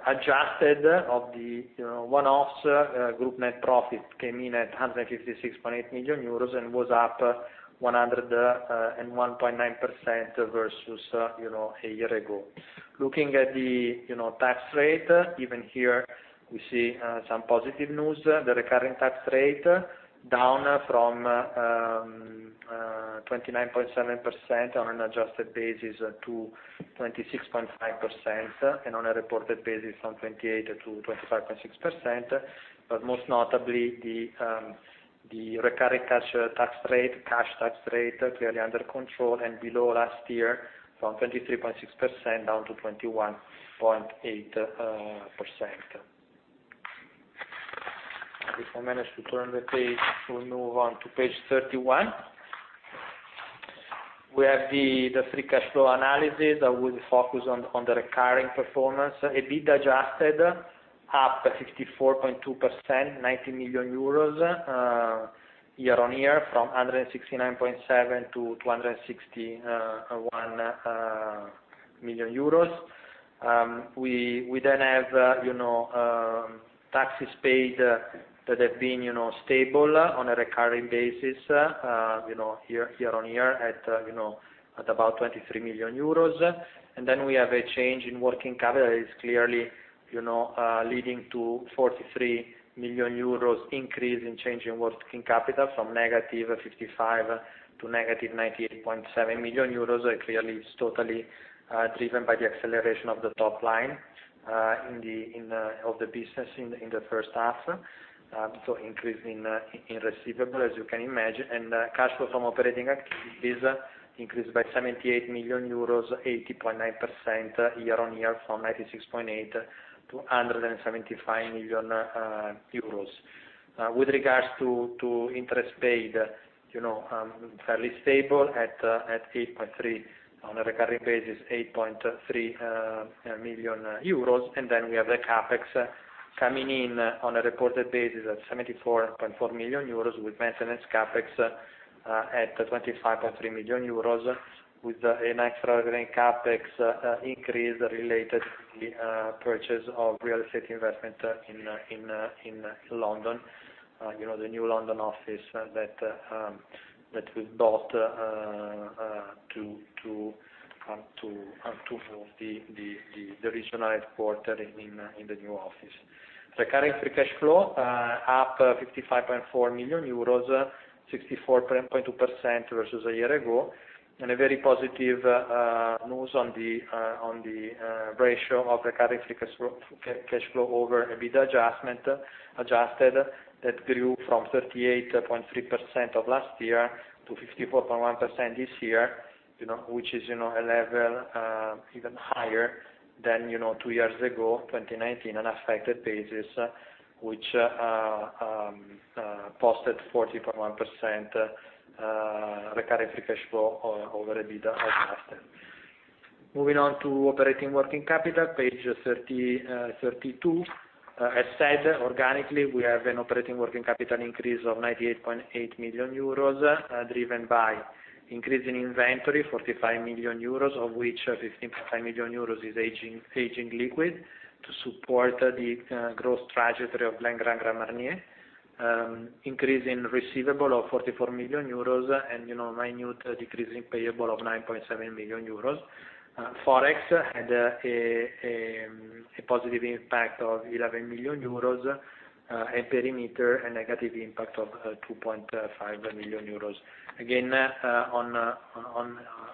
Speaker 3: Adjusted of the, you know, one-offs, group net profit came in at 156.8 million euros and was up 101.9% versus, you know, a year ago. Looking at the, you know, tax rate, even here, we see some positive news. The recurring tax rate down from 29.7% on an adjusted basis to 26.5%, and on a reported basis from 28% to 25.6%. Most notably the recurring tax rate, cash tax rate clearly under control and below last year from 23.6% down to 21.8%. If I manage to turn the page, we move on to page 31. We have the free cash flow analysis that will focus on the recurring performance. EBIT adjusted up 64.2%, 90 million euros year-on-year from 169.7 million to 261 million euros. We then have, you know, taxes paid that have been, you know, stable on a recurring basis, you know, year-on-year at about 23 million euros. We have a change in working capital is clearly, you know, leading to 43 million euros increase in change in working capital from negative 55 million to negative 98.7 million euros. Clearly, it's totally driven by the acceleration of the top line in the business in the first half. Increase in receivable, as you can imagine. Cash flow from operating activities increased by 78 million euros, 80.9% year-on-year from 96.8 to 175 million euros. With regards to interest paid, you know, fairly stable at 8.3 million. On a recurring basis, 8.3 million euros. We have the CapEx coming in on a reported basis at 74.4 million euros, with maintenance CapEx at 25.3 million euros, with an extraordinary CapEx increase related to the purchase of real estate investment in London. You know, the new London office that we bought to move the regional headquarter in the new office. Recurring free cash flow up 55.4 million euros, 64.2% versus a year ago. A very positive news on the ratio of recurring free cash flow, cash flow over EBIT adjusted that grew from 38.3% of last year to 54.1% this year. You know, which is, you know, a level even higher than, you know, two years ago, 2019 on affected basis, which posted 40.1% recurring free cash flow over EBIT adjusted. Moving on to operating working capital, page 30, 32. As said, organically, we have an operating working capital increase of 98.8 million euros, driven by increase in inventory, 45 million euros, of which 15.5 million euros is aging liquid to support the growth trajectory of Grand Marnier. Increase in receivable of 44 million euros, you know, minute decrease in payable of 9.7 million euros. Forex had a positive impact of 11 million euros, perimeter, a negative impact of 2.5 million euros.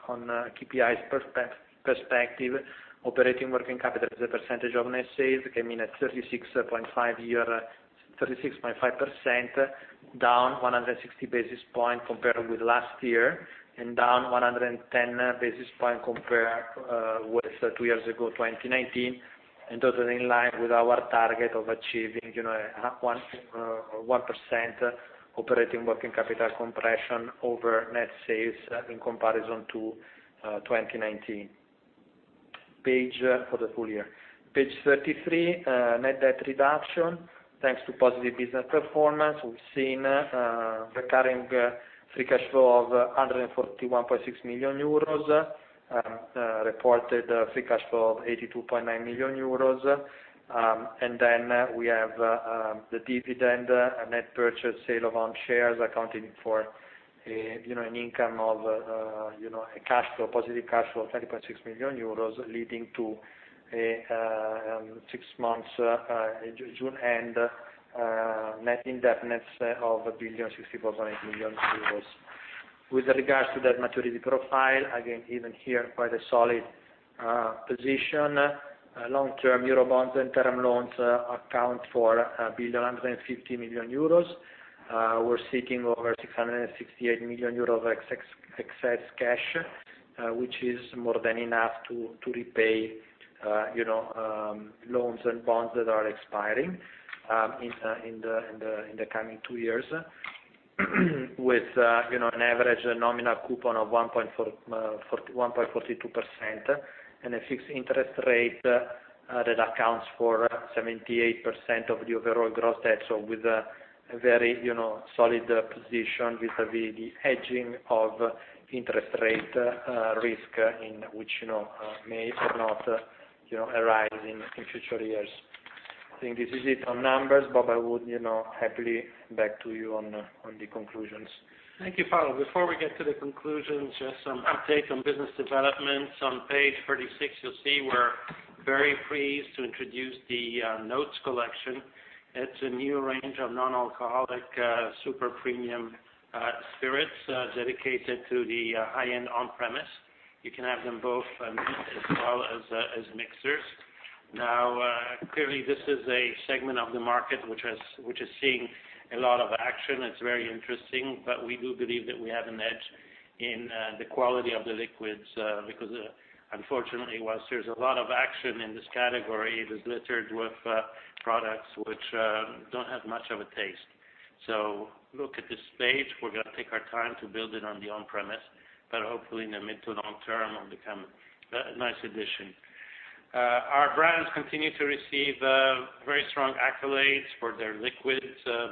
Speaker 3: On KPIs perspective, operating working capital as a percentage of net sales came in at 36.5%, down 160 basis points compared with last year, down 110 basis points compared with two years ago, 2019. Totally in line with our target of achieving, you know, 1% operating working capital compression over net sales in comparison to 2019. Page For the full-year. Page 33, net debt reduction. Thanks to positive business performance, we've seen recurring free cash flow of 141.6 million euros, reported free cash flow of 82.9 million euros. We have the dividend, a net purchase sale of own shares accounting for, you know, an income of, you know, a cash flow, positive cash flow of 30.6 million euros, leading to a six months, June end, net indebtedness of 64.5 million euros. With regards to the maturity profile, again, even here, quite a solid position. Long-term EUR bonds and term loans account for 1,150 million euros. We're seeking over 668 million euros excess cash, which is more than enough to repay, you know, loans and bonds that are expiring in the coming two years. With, you know, an average nominal coupon of 41.42%, and a fixed interest rate that accounts for 78% of the overall gross debt. With a very, you know, solid position vis-à-vis the hedging of interest rate risk in which, you know, may or not, you know, arise in future years. I think this is it on numbers. Bob, I would, you know, happily back to you on the conclusions.
Speaker 2: Thank you, Paolo. Before we get to the conclusions, just some update on business developments. On page 36, you'll see we're very pleased to introduce The Notes Collection. It's a new range of non-alcoholic super premium spirits dedicated to the high-end on-premise. You can have them both as well as as mixers. Clearly this is a segment of the market which is seeing a lot of action. It's very interesting, we do believe that we have an edge in the quality of the liquids. Because unfortunately, whilst there's a lot of action in this category, it is littered with products which don't have much of a taste. Look at this page. We're going to take our time to build it on the on-premise. Hopefully in the mid to long term it'll become a nice addition. Our brands continue to receive very strong accolades for their liquids,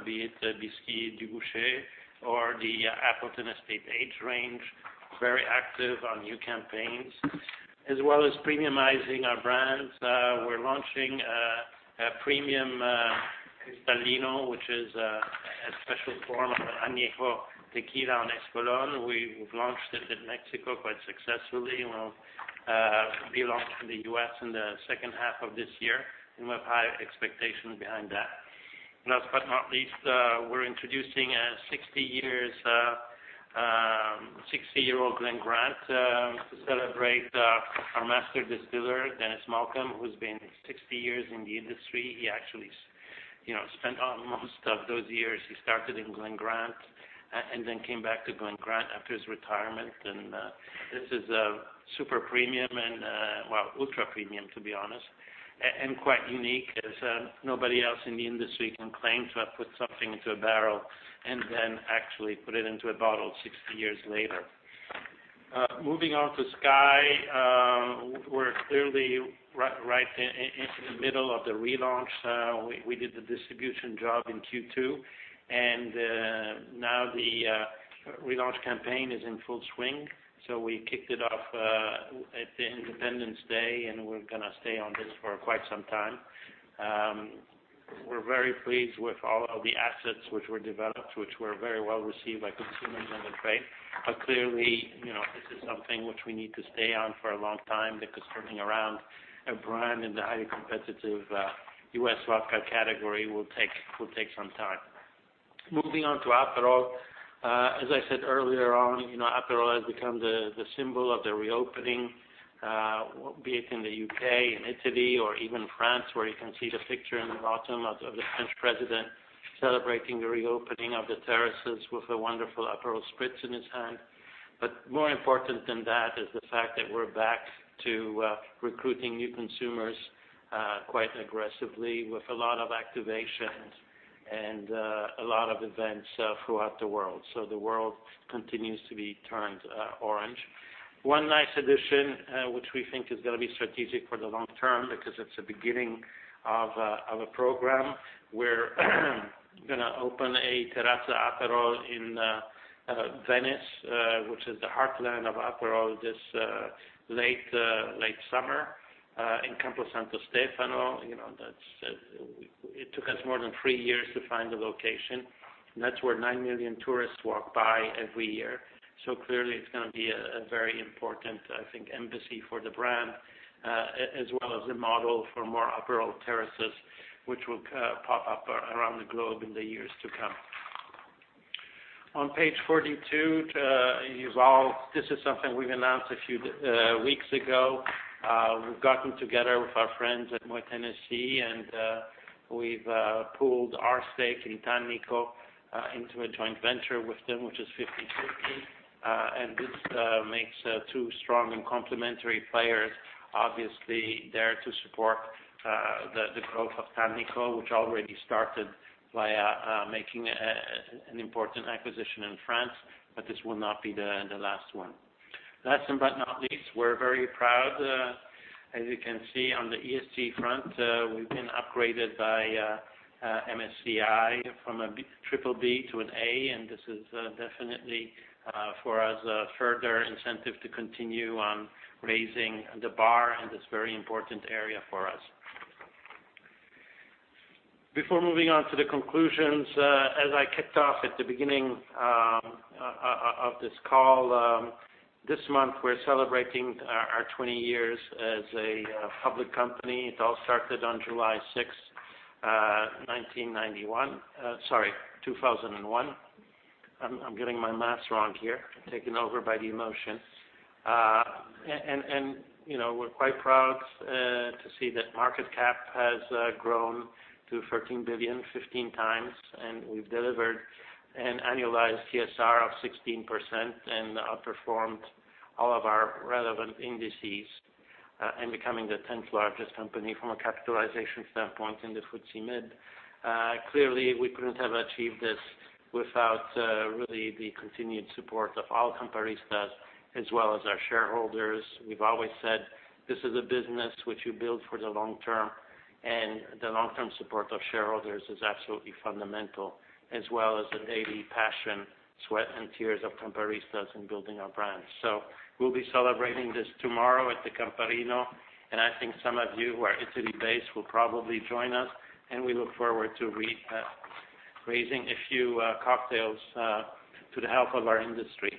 Speaker 2: be it the Bisquit & Dubouché or the Appleton Estate aged range, very active on new campaigns. As well as premiumizing our brands, we're launching a premium Espolòn Cristalino, which is a special form of Añejo tequila and Espolòn. We've launched it in Mexico quite successfully. We'll be launched in the U.S. in the second half of this year. We have high expectations behind that. Last but not least, we're introducing a 60-year-old Glen Grant to celebrate our Master Distiller, Dennis Malcolm, who's been 60 years in the industry. He actually you know, spent most of those years, he started in Glen Grant and then came back to Glen Grant after his retirement. This is a super premium and well, ultra premium, to be honest, and quite unique as nobody else in the industry can claim to have put something into a barrel and then actually put it into a bottle 60 years later. Moving on to SKYY. We're clearly right into the middle of the relaunch. We did the distribution job in Q2, and now the relaunch campaign is in full swing. We kicked it off at the Independence Day, and we're gonna stay on this for quite some time. We're very pleased with all of the assets which were developed, which were very well received by consumers and the trade. Clearly, you know, this is something which we need to stay on for a long time, because turning around a brand in the highly competitive U.S. vodka category will take some time. Moving on to Aperol. As I said earlier on, you know, Aperol has become the symbol of the reopening, be it in the U.K. and Italy or even France, where you can see the picture in the bottom of the French president celebrating the reopening of the terraces with a wonderful Aperol Spritz in his hand. More important than that is the fact that we're back to recruiting new consumers, quite aggressively with a lot of activations and a lot of events throughout the world. The world continues to be turned orange. One nice addition, which we think is gonna be strategic for the long term because it's the beginning of a program, we're gonna open a Terrazza Aperol in Venice, which is the heartland of Aperol, this late summer in Campo Santo Stefano. You know, that's. It took us more than three years to find a location. That's where 9 million tourists walk by every year. Clearly it's gonna be a very important, I think, embassy for the brand, as well as a model for more Aperol terraces, which will pop up around the globe in the years to come. On page 42, e-commerce, this is something we've announced a few weeks ago. We've gotten together with our friends at Moët Hennessy, and we've pooled our stake in Tannico into a joint venture with them, which is 50/50. This makes two strong and complementary players, obviously there to support the growth of Tannico, which already started via making an important acquisition in France, but this will not be the last one. Last but not least, we're very proud, as you can see on the ESG front, we've been upgraded by MSCI from a B-- triple B to an A, and this is definitely for us, a further incentive to continue on raising the bar in this very important area for us. Before moving on to the conclusions, as I kicked off at the beginning of this call, this month we're celebrating our 20 years as a public company. It all started on July 6, 1991. Sorry, 2001. I'm getting my math wrong here. Taken over by the emotion. You know, we're quite proud to see that market cap has grown to 13 billion, 15 times, and we've delivered an annualized TSR of 16% and outperformed all of our relevant indices. Becoming the 10th largest company from a capitalization standpoint in the FTSE MIB. Clearly we couldn't have achieved this without really the continued support of our Camparistas as well as our shareholders. We've always said this is a business which you build for the long term, and the long-term support of shareholders is absolutely fundamental, as well as the daily passion, sweat, and tears of Camparistas in building our brand. We'll be celebrating this tomorrow at the Camparino, and I think some of you who are Italy-based will probably join us, and we look forward to raising a few cocktails to the health of our industry.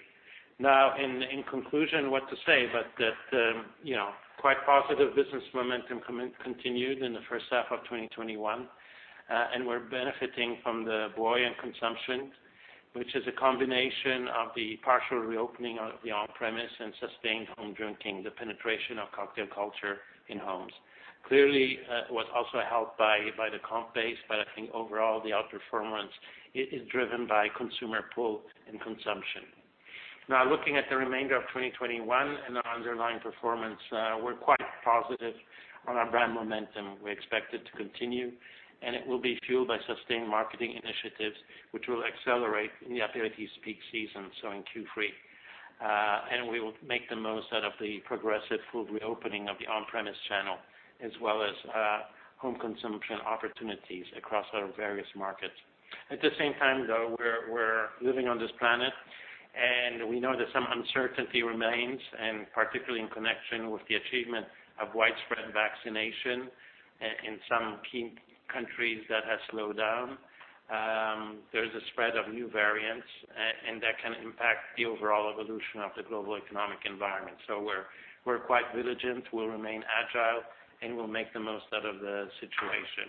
Speaker 2: In conclusion, what to say but that, you know, quite positive business momentum continued in the first half of 2021. We're benefiting from the buoyant consumption, which is a combination of the partial reopening of the on-premise and sustained home drinking, the penetration of cocktail culture in homes. Clearly, was also helped by the comp base. I think overall the outperformance is driven by consumer pull and consumption. Looking at the remainder of 2021 and our underlying performance, we're quite positive on our brand momentum. We expect it to continue, and it will be fueled by sustained marketing initiatives, which will accelerate in the aperitif peak season, so in Q3. We will make the most out of the progressive full reopening of the on-premise channel, as well as home consumption opportunities across our various markets. At the same time, we're living on this planet, and we know that some uncertainty remains, and particularly in connection with the achievement of widespread vaccination in some key countries that has slowed down. There's a spread of new variants, and that can impact the overall evolution of the global economic environment. We're quite vigilant, we'll remain agile, and we'll make the most out of the situation.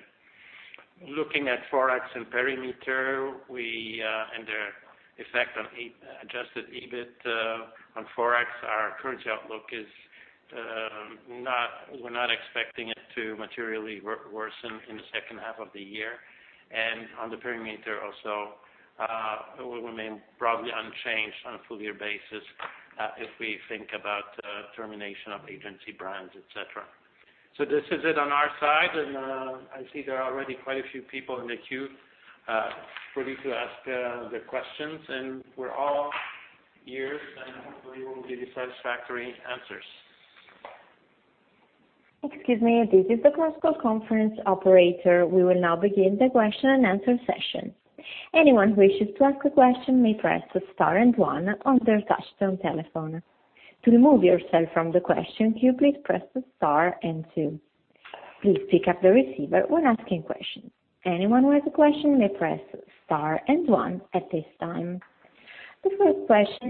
Speaker 2: Looking at Forex and perimeter, we and their effect on E adjusted EBIT, on Forex, our currency outlook is not We're not expecting it to materially worsen in the second half of the year. On the perimeter also, we will remain broadly unchanged on a full-year basis, if we think about termination of agency brands, et cetera. This is it on our side, and I see there are already quite a few people in the queue ready to ask their questions, and we're all ears, and hopefully we'll give you satisfactory answers.
Speaker 1: The first question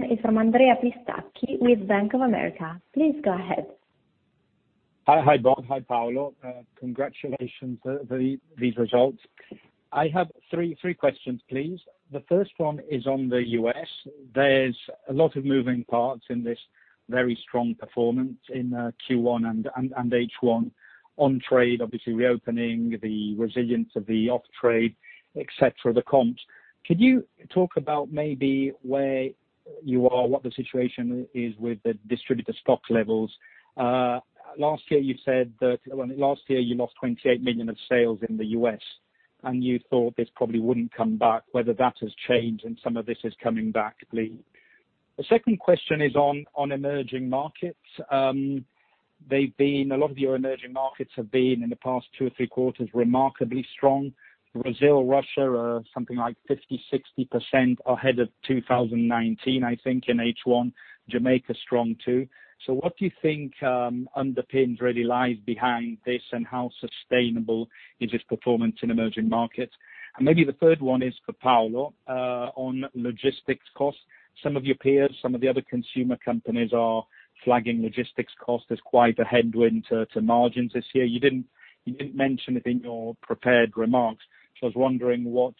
Speaker 1: is from Andrea Pistacchi with Bank of America. Please go ahead.
Speaker 4: Hi. Hi, Bob Kunze-Concewitz. Hi, Paolo. Congratulations for these results. I have three questions, please. The first one is on the U.S. There's a lot of moving parts in this very strong performance in Q1 and H1 on trade, obviously reopening, the resilience of the off-trade, et cetera, the comps. Could you talk about maybe where you are, what the situation is with the distributor stock levels? Last year you said that last year you lost 28 million of sales in the U.S., and you thought this probably wouldn't come back, whether that has changed and some of this is coming back, please. The second question is on emerging markets. A lot of your emerging markets have been, in the past two or three quarters, remarkably strong. Brazil, Russia are something like 50%, 60% ahead of 2019, I think, in H1. Jamaica strong too. What do you think underpins really lies behind this, and how sustainable is this performance in emerging markets? Maybe the third one is for Paolo on logistics costs. Some of your peers, some of the other consumer companies are flagging logistics cost as quite a headwind to margins this year. You didn't mention it in your prepared remarks. I was wondering what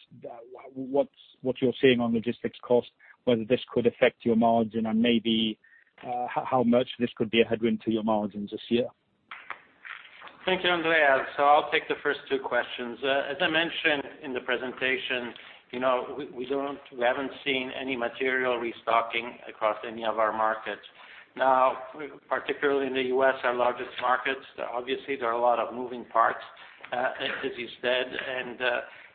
Speaker 4: you're seeing on logistics costs, whether this could affect your margin and maybe how much this could be a headwind to your margins this year.
Speaker 2: Thank you, Andrea. I'll take the first two questions. As I mentioned in the presentation, you know, we haven't seen any material restocking across any of our markets. Now, particularly in the U.S., our largest market, obviously there are a lot of moving parts, as you said.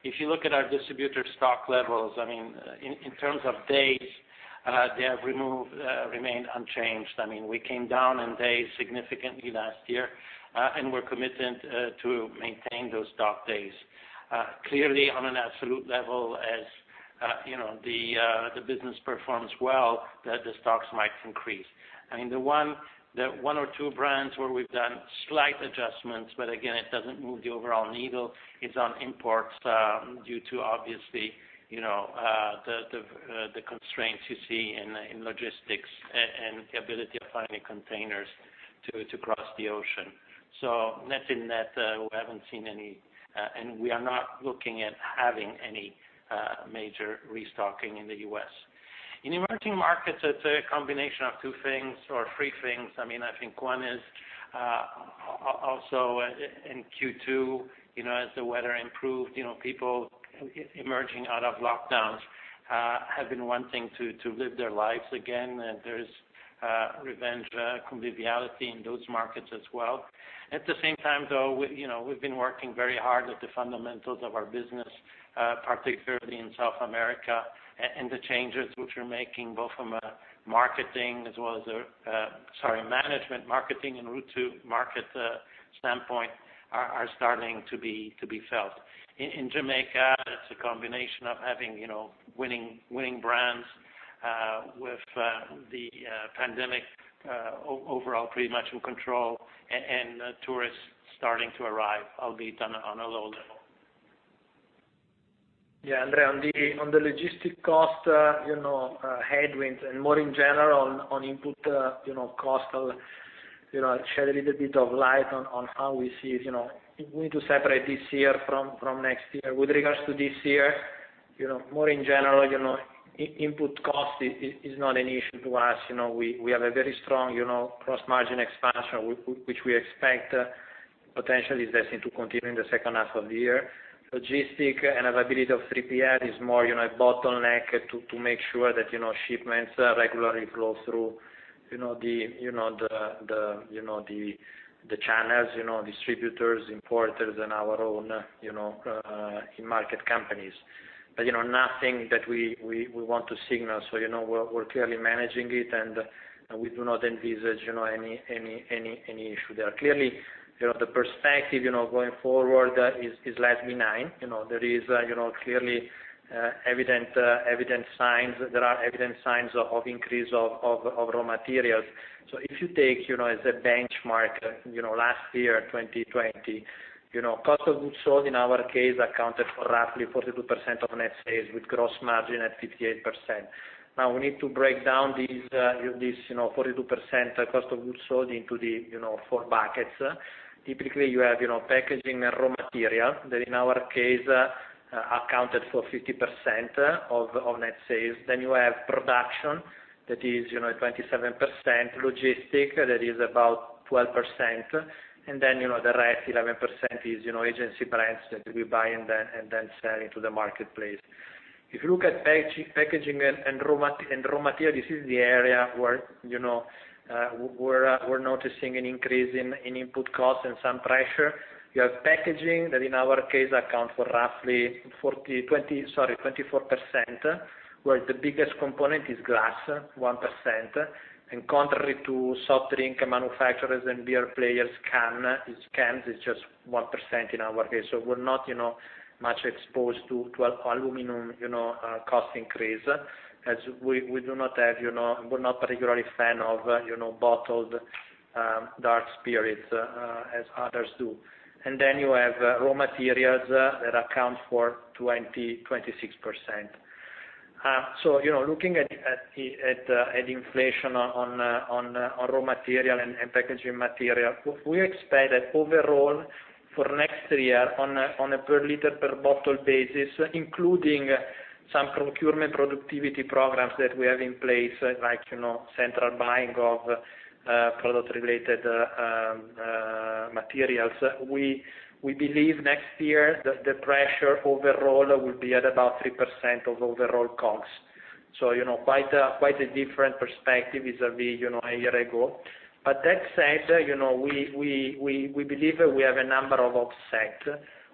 Speaker 2: If you look at our distributor stock levels, I mean, in terms of days, they have remained unchanged. I mean, we came down in days significantly last year, we're committed to maintain those stock days. Clearly on an absolute level as, you know, the business performs well, the stocks might increase. I mean, the one or two brands where we've done slight adjustments, but again it doesn't move the overall needle, is on imports, due to obviously, you know, the constraints you see in logistics and the ability of finding containers to cross the ocean. Net in net, we haven't seen any, and we are not looking at having any major restocking in the U.S. In emerging markets, it's a combination of two things or three things. I mean, I think one is also in Q2, you know, as the weather improved, you know, people emerging out of lockdowns, have been wanting to live their lives again, and there's revenge conviviality in those markets as well. At the same time though, we, you know, we've been working very hard at the fundamentals of our business, particularly in South America and the changes which we're making both from a marketing as well as a management, marketing, and route to market standpoint are starting to be felt. In Jamaica, it's a combination of having, you know, winning brands, with the pandemic overall pretty much in control and tourists starting to arrive, albeit on a low level.
Speaker 3: Yeah, Andrea, on the logistic cost headwinds and more in general on input cost, shed a little bit of light on how we see it. We need to separate this year from next year. With regards to this year, more in general, input cost is not an issue to us. We have a very strong gross margin expansion which we expect potentially is destined to continue in the second half of the year. Logistic and availability of 3PL is more a bottleneck to make sure that shipments regularly flow through the channels, distributors, importers, and our own in-market companies. You know, nothing that we want to signal, you know, we're clearly managing it, and we do not envisage, you know, any issue there. Clearly, you know, the perspective, you know, going forward, is less benign. You know, there is, you know, clearly, evident signs. There are evident signs of increase of raw materials. If you take, you know, as a benchmark, you know, last year, 2020, you know, cost of goods sold in our case accounted for roughly 42% of net sales with gross margin at 58%. We need to break down these, this, you know, 42% cost of goods sold into the, you know, four buckets. Typically, you have, you know, packaging and raw material that in our case accounted for 50% of net sales. You have production that is, you know, at 27%, logistics that is about 12%, and, you know, the rest 11% is, you know, agency brands that we buy and then, and then sell into the marketplace. If you look at packaging and raw material, this is the area where, you know, we're noticing an increase in input costs and some pressure. You have packaging that in our case accounts for roughly 24%, where the biggest component is glass, 1%. Contrary to soft drink manufacturers and beer players, it's cans, it's just 1% in our case. We're not, you know, much exposed to aluminum, you know, cost increase as we, We're not particularly fan of, you know, bottled dark spirits as others do. Then you have raw materials that account for 20%, 26%. So, you know, looking at inflation on raw material and packaging material, we expect that overall for next year on a per liter per bottle basis, including some procurement productivity programs that we have in place, like, you know, central buying of product related materials, we believe next year the pressure overall will be at about 3% of overall costs. You know, quite a different perspective vis-a-vis, you know, a year ago. That said, you know, we believe we have a number of offset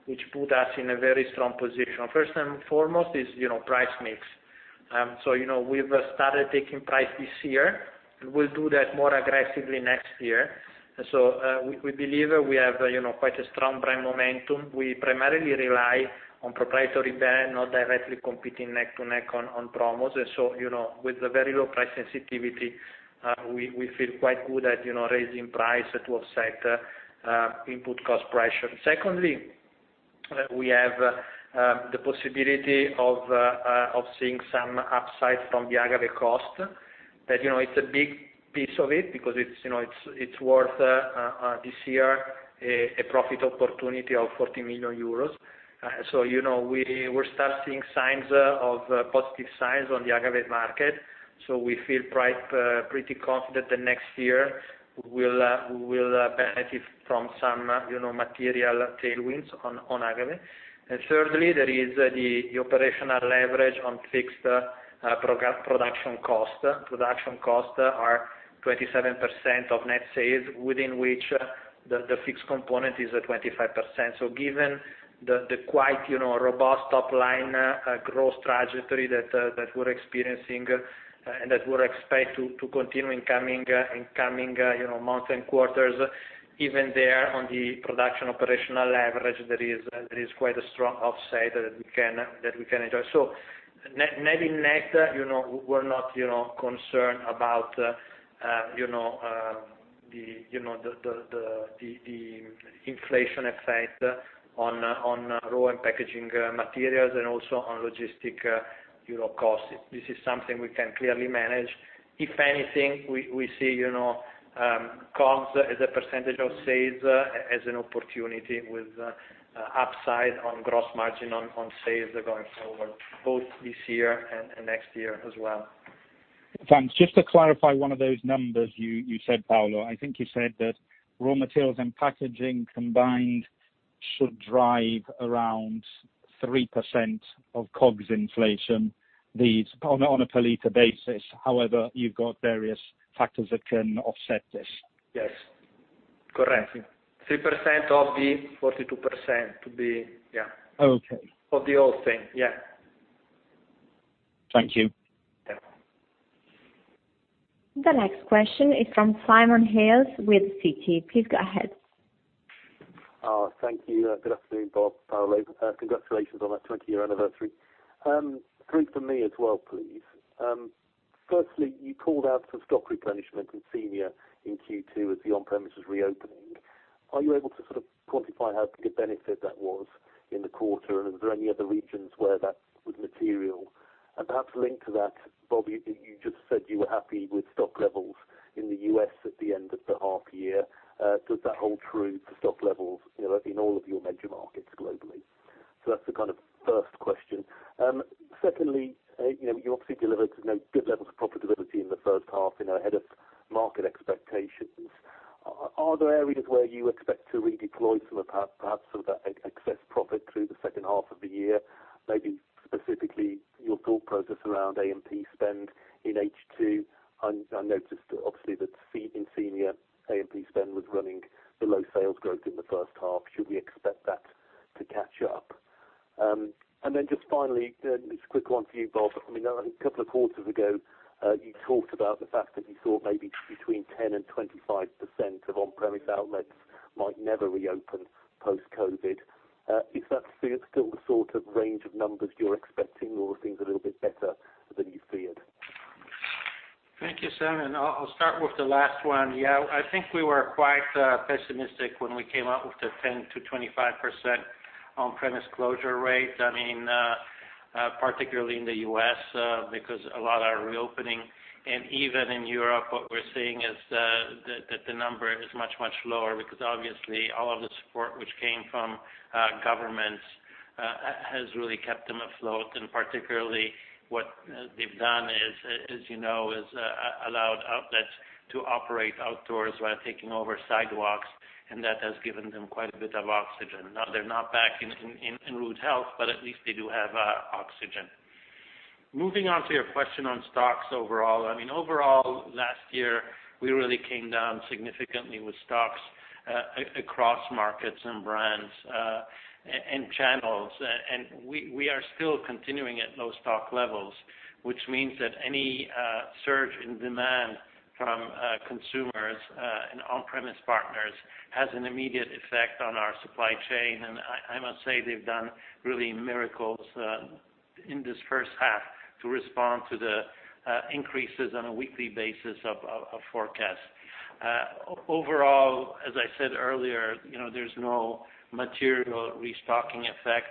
Speaker 3: which put us in a very strong position. First and foremost is, you know, price mix. You know, we've started taking price this year. We'll do that more aggressively next year. We believe we have, you know, quite a strong brand momentum. We primarily rely on proprietary brand, not directly competing neck to neck on promos. You know, with the very low price sensitivity, we feel quite good at, you know, raising price to offset input cost pressure. Secondly, we have the possibility of seeing some upside from the agave cost that, you know, it's a big piece of it because it's, you know, it's worth this year a profit opportunity of €40 million. You know, we're start seeing signs of positive signs on the agave market, so we feel pretty confident that next year we'll benefit from some, you know, material tailwinds on agave. Thirdly, there is the operational leverage on fixed production cost. Production costs are 27% of net sales within which the fixed component is at 25%. Given the quite, you know, robust top line growth trajectory that we're experiencing and that we expect to continue in coming months and quarters, even there on the production operational leverage, there is quite a strong offset that we can enjoy. Netting net, you know, we're not, you know, concerned about the inflation effect on raw and packaging materials and also on logistics, you know, costs. This is something we can clearly manage. If anything, we see, you know, costs as a percentage of sales as an opportunity with upside on gross margin on sales going forward both this year and next year as well.
Speaker 4: Thanks. Just to clarify one of those numbers you said, Paolo, I think you said that raw materials and packaging combined should drive around 3% of COGS inflation on a per liter basis. However, you've got various factors that can offset this.
Speaker 3: Yes. Correct. 3% of the 42% to be Yeah.
Speaker 4: Oh, okay.
Speaker 3: Of the whole thing. Yeah.
Speaker 4: Thank you.
Speaker 3: Yeah.
Speaker 1: The next question is from Simon Hales with Citi. Please go ahead.
Speaker 5: Thank you. Good afternoon, Bob, Paolo. Congratulations on that 20-year anniversary. Three for me as well, please. Firstly, you called out for stock replenishment in SEMEA in Q2 as the on-premise was reopening. Are you able to sort of quantify how big a benefit that was in the quarter? Is there any other regions where that was material? Perhaps linked to that, Bob, you just said you were happy with stock levels in the U.S. at the end of the half year. Does that hold true for stock levels, you know, in all of your major markets globally? That's the kind of first question. Secondly, you know, you obviously delivered, you know, good levels of profitability in the first half, you know, ahead of market expectations. Are there areas where you expect to redeploy some of perhaps some of that excess profit through the second half of the year? Maybe specifically your thought process around A&P spend in H2. I noticed obviously that in SEMEA, A&P spend was running below sales growth in the first half. Should we expect that to catch up? Just finally, then it's a quick one for you, Bob. I mean, a couple of quarters ago, you talked about the fact that you thought maybe between 10% and 25% of on-premise outlets might never reopen post-COVID-19. Is that still the sort of range of numbers you're expecting or are things a little bit better than you feared?
Speaker 2: Thank you, Simon. I'll start with the last one. I think we were quite pessimistic when we came out with the 10% to 25% on-premise closure rate. I mean, particularly in the U.S., because a lot are reopening. Even in Europe, what we're seeing is that the number is much lower because obviously all of the support which came from governments has really kept them afloat. Particularly what they've done is, as you know, is allowed outlets to operate outdoors while taking over sidewalks, and that has given them quite a bit of oxygen. Now, they're not back in rude health, but at least they do have oxygen. Moving on to your question on stocks overall. I mean, overall, last year, we really came down significantly with stocks, across markets and brands, and channels. We are still continuing at low stock levels, which means that any surge in demand from consumers and on-premise partners has an immediate effect on our supply chain. I must say they've done really miracles in this first half to respond to the increases on a weekly basis of forecast. Overall, as I said earlier, you know, there's no material restocking effect.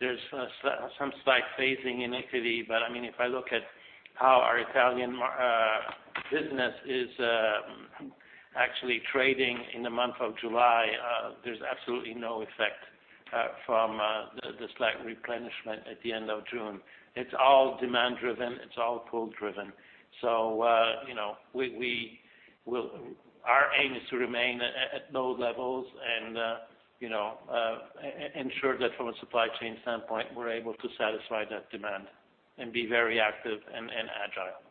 Speaker 2: There's some slight phasing in Italy, but I mean, if I look at how our Italian business is actually trading in the month of July, there's absolutely no effect from the slight replenishment at the end of June. It's all demand driven. It's all pull driven. You know, we will Our aim is to remain at low levels and, you know, ensure that from a supply chain standpoint, we're able to satisfy that demand and be very active and agile.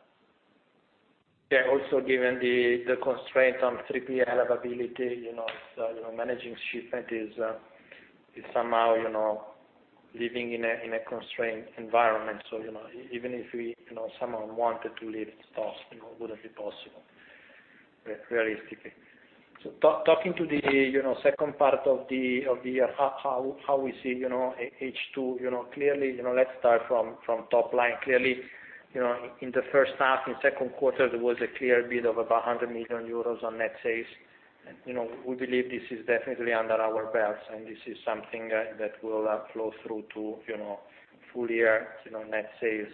Speaker 3: Also, given the constraint on 3PL availability, you know, managing shipment is somehow, you know, living in a constrained environment. You know, even if we, you know, somehow wanted to leave stocks, it wouldn't be possible realistically. Talking to the, you know, second part of the year, how we see, you know, H2, you know, clearly, you know, let's start from top line. Clearly, you know, in the first half, in second quarter, there was a clear build of about 100 million euros on net sales. You know, we believe this is definitely under our belts, and this is something that will flow through to, you know, full-year, you know, net sales.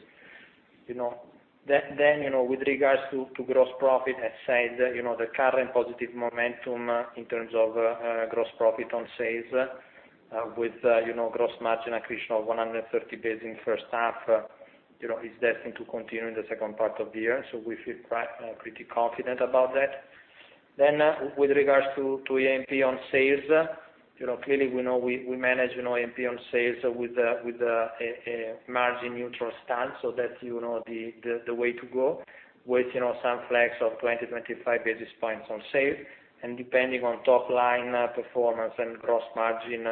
Speaker 3: With regards to gross profit, as said, the current positive momentum in terms of gross profit on sales, with gross margin accretion of 130 basis in first half, is destined to continue in the second part of the year. We feel pretty confident about that. With regards to A&P on sales, clearly, we know we manage A&P on sales with a margin neutral stance so that's the way to go with some flex of 20, 25 basis points on sale. Depending on top line performance and gross margin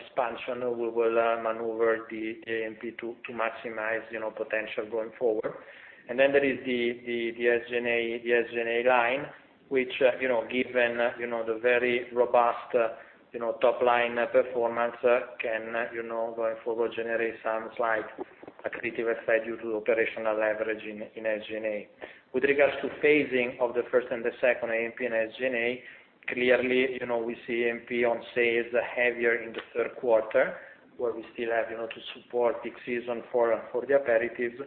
Speaker 3: expansion, we will maneuver the A&P to maximize potential going forward. There is the SG&A line, which, you know, given, you know, the very robust, you know, top line performance can, you know, going forward, generate some slight accretive effect due to operational leverage in SG&A. With regards to phasing of the first and second A&P and SG&A, clearly, you know, we see A&P on sales heavier in the third quarter, where we still have, you know, to support peak season for the aperitifs.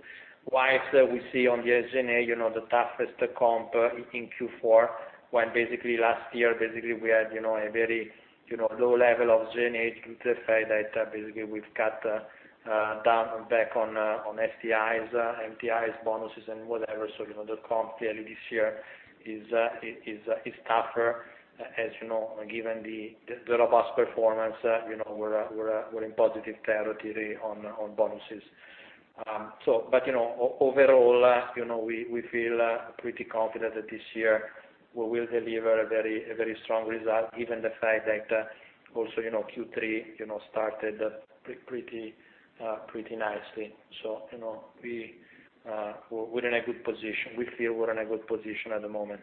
Speaker 3: Whilst we see on the SG&A, you know, the toughest comp in Q4, when last year, basically we had, you know, a very, you know, low level of SG&A due to the fact that basically we've cut down back on STIs, MTIs, bonuses and whatever. You know, the comp clearly this year is tougher. As you know, given the robust performance, you know, we're in positive territory on bonuses. You know, overall, you know, we feel pretty confident that this year we will deliver a very strong result, given the fact that, also, you know, Q3, you know, started pretty nicely. you know, we're in a good position. We feel we're in a good position at the moment.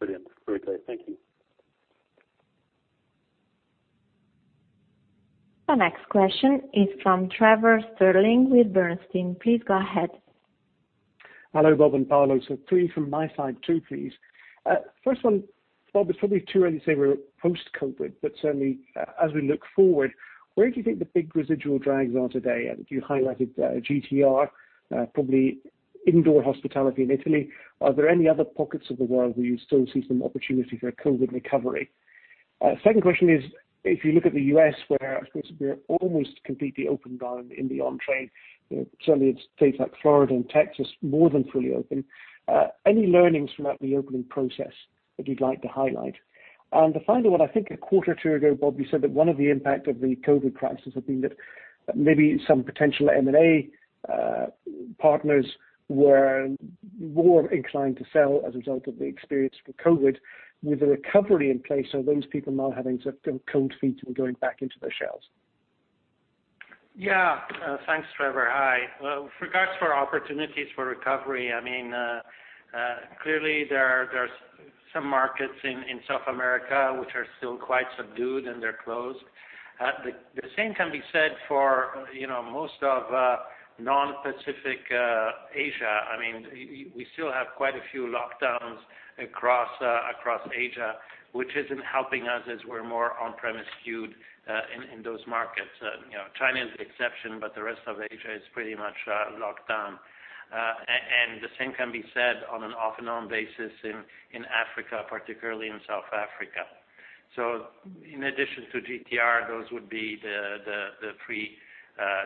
Speaker 5: Brilliant. Great. Thank you.
Speaker 1: The next question is from Trevor Stirling with Bernstein. Please go ahead.
Speaker 6: Hello, Bob and Paolo. Three from my side too, please. First one, Bob, it's probably too early to say we're post-COVID, but certainly as we look forward, where do you think the big residual drags are today? You highlighted GTR, probably indoor hospitality in Italy. Are there any other pockets of the world where you still see some opportunity for a COVID recovery? Second question is, if you look at the U.S., where I suppose we're almost completely open bar in the on-trade, you know, certainly states like Florida and Texas more than fully open, any learnings from that reopening process that you'd like to highlight? The final one, I think a quarter or two ago, Bob, you said that one of the impact of the COVID crisis had been that maybe some potential M&A partners were more inclined to sell as a result of the experience with COVID. With the recovery in place, are those people now having sort of cold feet and going back into their shells?
Speaker 2: Yeah. Thanks, Trevor. Hi. Well, with regards for opportunities for recovery, clearly there's some markets in South America which are still quite subdued, and they're closed. The same can be said for most of non-Pacific Asia. We still have quite a few lockdowns across Asia, which isn't helping us as we're more on-premise skewed in those markets. China is the exception, but the rest of Asia is pretty much locked down. The same can be said on an off and on basis in Africa, particularly in South Africa. In addition to GTR, those would be the 3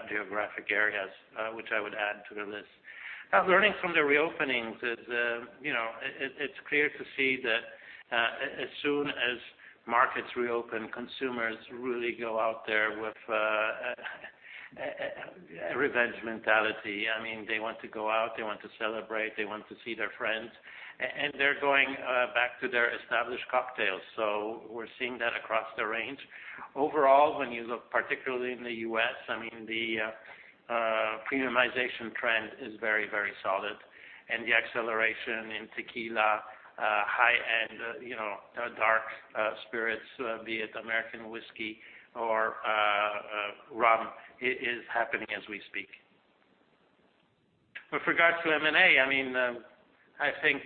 Speaker 2: geographic areas which I would add to the list. Learning from the reopenings is, you know, it's clear to see that as soon as markets reopen, consumers really go out there with a revenge mentality. They want to go out, they want to celebrate, they want to see their friends, and they're going back to their established cocktails. We're seeing that across the range. Overall, when you look particularly in the U.S., I mean, the premiumization trend is very, very solid, and the acceleration in tequila, high-end, you know, dark spirits, be it American whiskey or rum, is happening as we speak. With regards to M&A, I mean, I think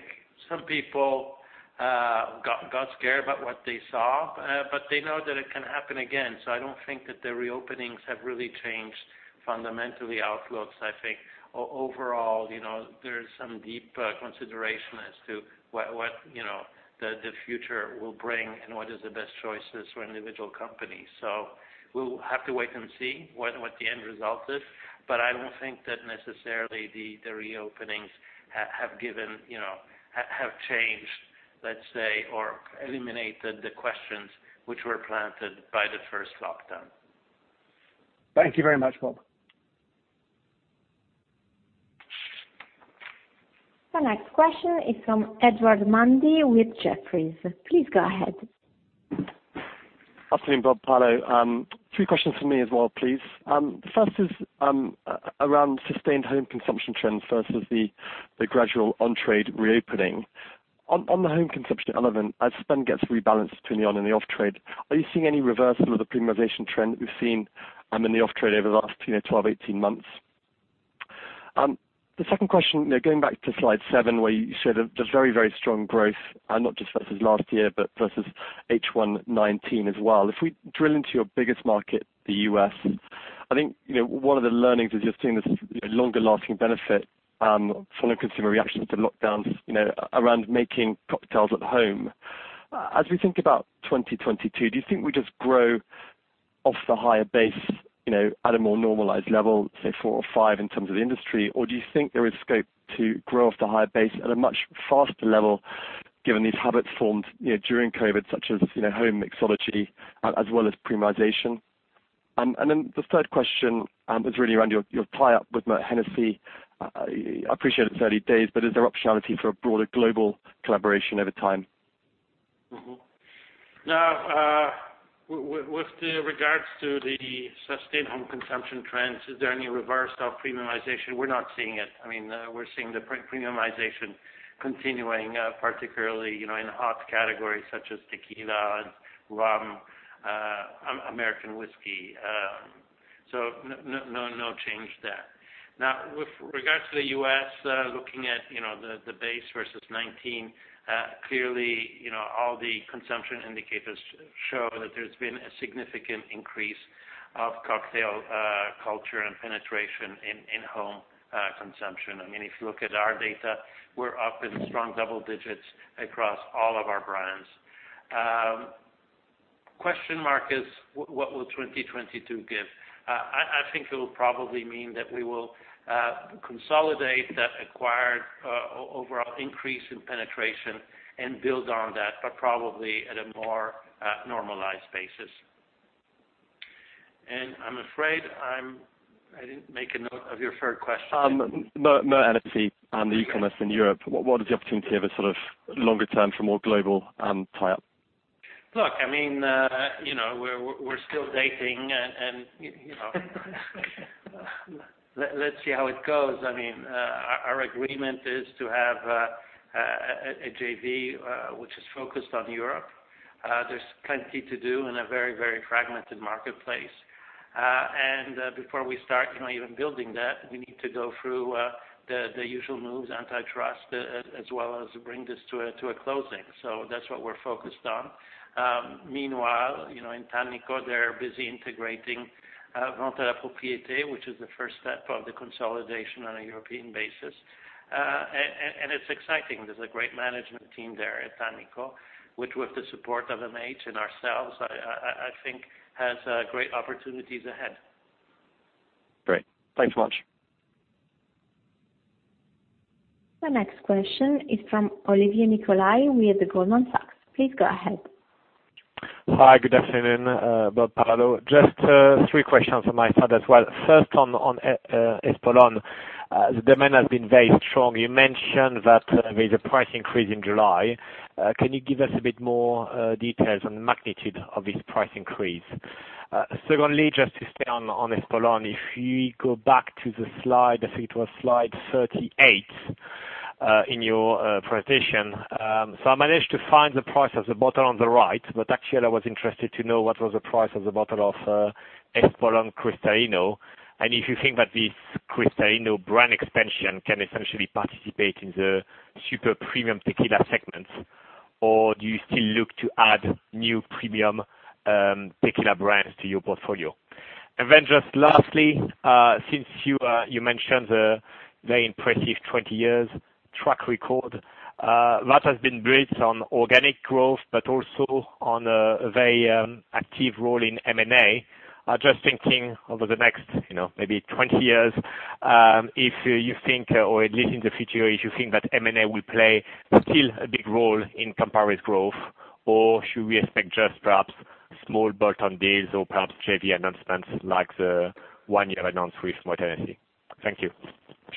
Speaker 2: some people got scared about what they saw, but they know that it can happen again. I don't think that the reopenings have really changed fundamentally outlooks. I think overall, you know, there's some deep consideration as to what, you know, the future will bring and what is the best choices for individual companies. We'll have to wait and see what the end result is. I don't think that necessarily the reopenings have given, you know, have changed, let's say, or eliminated the questions which were planted by the first lockdown.
Speaker 6: Thank you very much, Bob.
Speaker 1: The next question is from Edward Mundy with Jefferies. Please go ahead.
Speaker 7: Afternoon, Bob, Paolo. Three questions from me as well, please. First is around sustained home consumption trends versus the gradual on-trade reopening. On the home consumption element, as spend gets rebalanced between the on and the off-trade, are you seeing any reversal of the premiumization trend that we've seen in the off-trade over the last, you know, 12, 18 months? The second question, you know, going back to slide seven, where you showed a just very, very strong growth, not just versus last year, but versus H1 2019 as well. If we drill into your biggest market, the U.S., I think, you know, one of the learnings is you're seeing this, you know, longer lasting benefit from the consumer reaction to lockdowns, you know, around making cocktails at home. As we think about 2022, do you think we just grow off the higher base, you know, at a more normalized level, say 4%-5% in terms of the industry? Do you think there is scope to grow off the higher base at a much faster level, given these habits formed, you know, during COVID, such as, you know, home mixology, as well as premiumization? The third question is really around your tie-up with Moët Hennessy. I appreciate it's early days, is there optionality for a broader global collaboration over time?
Speaker 2: Now, with regards to the sustained home consumption trends, is there any reverse of premiumization? We're not seeing it. I mean, we're seeing the pre-premiumization continuing, particularly, you know, in hot categories such as tequila and rum, American whiskey. No change there. Now, with regards to the U.S., looking at, you know, the base versus 19, clearly, you know, all the consumption indicators show that there's been a significant increase of cocktail culture and penetration in home consumption. I mean, if you look at our data, we're up in strong double digits across all of our brands. Question mark is what will 2022 give? I think it will probably mean that we consolidate that acquired, overall increase in penetration and build on that, but probably at a more, normalized basis. I'm afraid I didn't make a note of your third question.
Speaker 7: no, MH and the e-commerce in Europe.
Speaker 2: Okay.
Speaker 7: What is the opportunity of a sort of longer term for more global tie-up?
Speaker 2: Look, I mean, you know, we're still dating and, you know, let's see how it goes. I mean, our agreement is to have a JV, which is focused on Europe. There's plenty to do in a very fragmented marketplace. Before we start, you know, even building that, we need to go through the usual moves, antitrust, as well as bring this to a closing. That's what we're focused on. Meanwhile, you know, in Tannico, they're busy integrating Ventealapropriété, which is the first step of the consolidation on a European basis. It's exciting. There's a great management team there at Tannico, which with the support of MH and ourselves, I think has great opportunities ahead.
Speaker 7: Great. Thanks much.
Speaker 1: The next question is from Olivier Nicolai with Goldman Sachs. Please go ahead.
Speaker 8: Hi, good afternoon, Bob, Paolo. I have three questions from my side as well. First, on Espolòn, the demand has been very strong. You mentioned that there's a price increase in July. Can you give us a bit more details on the magnitude of this price increase? Secondly, to stay on Espolòn, if you go back to the slide, I think it was slide 38 in your presentation. I managed to find the price of the bottle on the right, but actually I was interested to know what was the price of the bottle of Espolón Cristalino. If you think that this Cristalino brand expansion can essentially participate in the super premium tequila segment, or do you still look to add new premium tequila brands to your portfolio? Just lastly, since you mentioned the very impressive 20 years track record that has been built on organic growth, but also on a very active role in M&A. Just thinking over the next, you know, maybe 20 years, if you think, or at least in the future, if you think that M&A will play still a big role in Campari's growth, or should we expect just perhaps small bolt-on deals or perhaps JV announcements like the one you announced with Moët Hennessy? Thank you.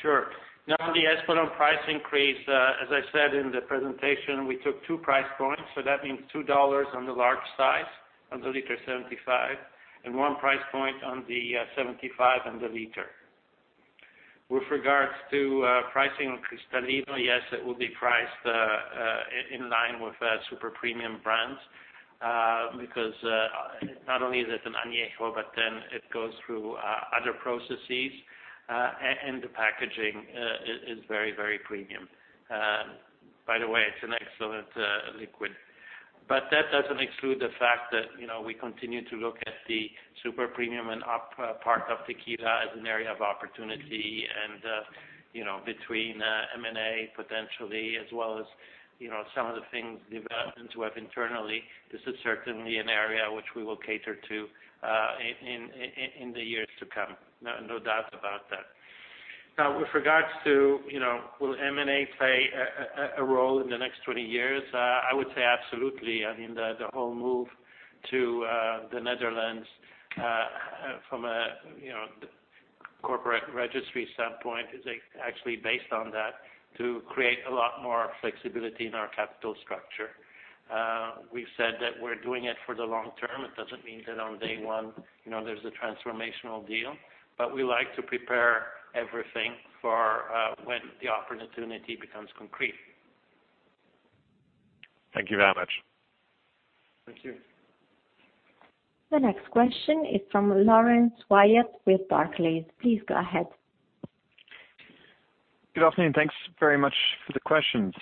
Speaker 2: Sure. On the Espolón price increase, as I said in the presentation, we took two price points. That means $2 on the large size, on the liter 75, and one price point on the 75 and the liter. With regards to pricing on Cristalino, yes, it will be priced in line with our super premium brands, because not only is it an añejo, but it goes through other processes, and the packaging is very, very premium. By the way, it's an excellent liquid. That doesn't exclude the fact that, you know, we continue to look at the super premium and up part of tequila as an area of opportunity. You know, between M&A potentially, as well as, you know, some of the things developing to have internally, this is certainly an area which we will cater to in the years to come. No doubts about that. Now, with regards to, you know, will M&A play a role in the next 20 years? I would say absolutely. I mean, the whole move to the Netherlands from a, you know, corporate registry standpoint is actually based on that to create a lot more flexibility in our capital structure. We've said that we're doing it for the long term. It doesn't mean that on day one, you know, there's a transformational deal, but we like to prepare everything for when the opportunity becomes concrete.
Speaker 8: Thank you very much.
Speaker 2: Thank you.
Speaker 1: The next question is from Laurence Whyatt with Barclays. Please go ahead.
Speaker 9: Good afternoon. Thanks very much for the questions.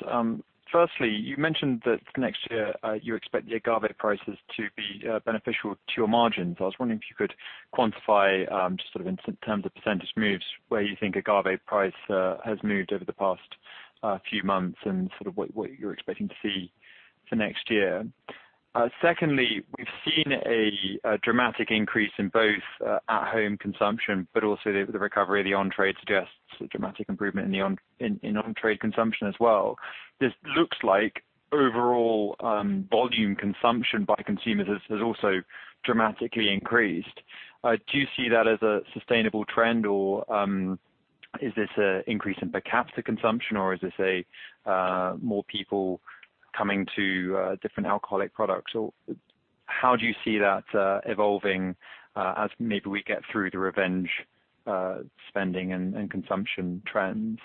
Speaker 9: Firstly, you mentioned that next year, you expect the agave prices to be beneficial to your margins. I was wondering if you could quantify, just sort of in terms of percentage moves, where you think agave price has moved over the past few months and sort of what you're expecting to see for next year. Secondly, we've seen a dramatic increase in both at-home consumption, but also the recovery of the on-trade suggests a dramatic improvement in the on-trade consumption as well. This looks like overall, volume consumption by consumers has also dramatically increased. Do you see that as a sustainable trend, or, is this a increase in per capita consumption, or is this a more people coming to different alcoholic products? How do you see that evolving as maybe we get through the revenge spending and consumption trends?